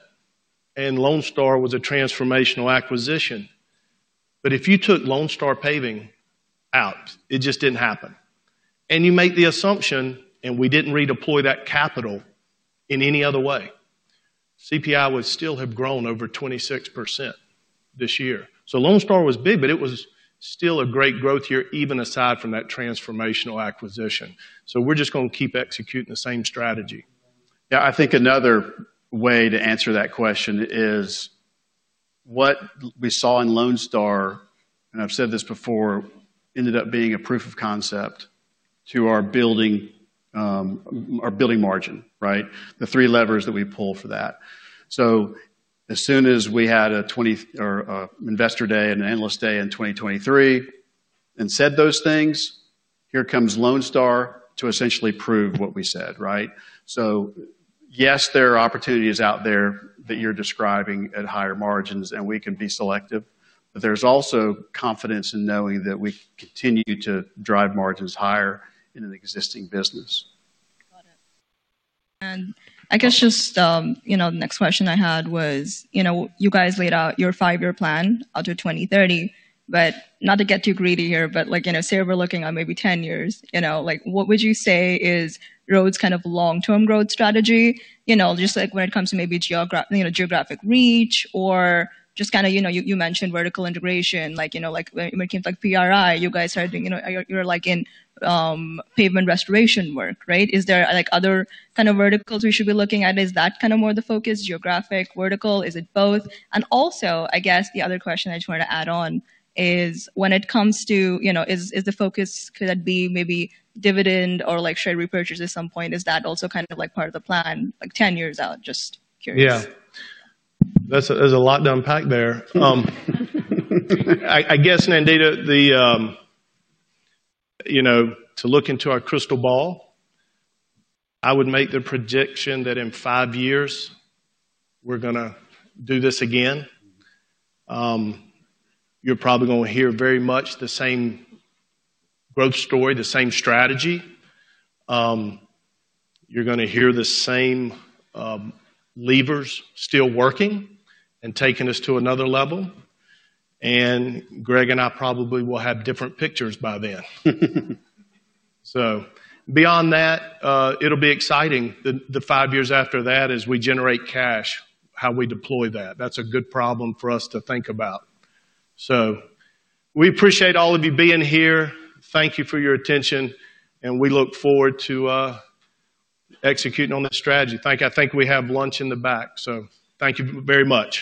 Lone Star was a transformational acquisition. If you took Lone Star Paving out, it just didn't happen. You make the assumption, and we didn't redeploy that capital in any other way, CPI would still have grown over 26% this year. Lone Star was big, but it was still a great growth year, even aside from that transformational acquisition. We're just going to keep executing the same strategy. Yeah. I think another way to answer that question is what we saw in Lone Star, and I've said this before, ended up being a proof of concept to our building margin, right? The three levers that we pull for that. As soon as we had an investor day and an analyst day in 2023 and said those things, here comes Lone Star to essentially prove what we said, right? Yes, there are opportunities out there that you're describing at higher margins, and we can be selective. There's also confidence in knowing that we continue to drive margins higher in an existing business. Got it. I guess just, you know, the next question I had was, you guys laid out your five-year plan out to 2030. Not to get too greedy here, but like, say we're looking at maybe 10 years, what would you say is your kind of long-term growth strategy? Just like when it comes to maybe geographic reach or just kind of, you mentioned vertical integration, like, you know, like, like CPI, you guys are thinking, you're like in pavement restoration work, right? Is there like other kind of verticals we should be looking at? Is that kind of more the focus? Geographic, vertical? Is it both? I guess the other question I just wanted to add on is when it comes to, you know, is the focus, could that be maybe dividend or like share repurchase at some point? Is that also kind of like part of the plan, like 10 years out? Just curious. Yeah. There's a lot to unpack there. I guess, Nandita, you know, to look into our crystal ball, I would make the prediction that in five years, we're going to do this again. You're probably going to hear very much the same growth story, the same strategy. You're going to hear the same levers still working and taking us to another level. Greg and I probably will have different pictures by then. Beyond that, it'll be exciting. The five years after that is we generate cash, how we deploy that. That's a good problem for us to think about. We appreciate all of you being here. Thank you for your attention. We look forward to executing on this strategy. I think we have lunch in the back. Thank you very much.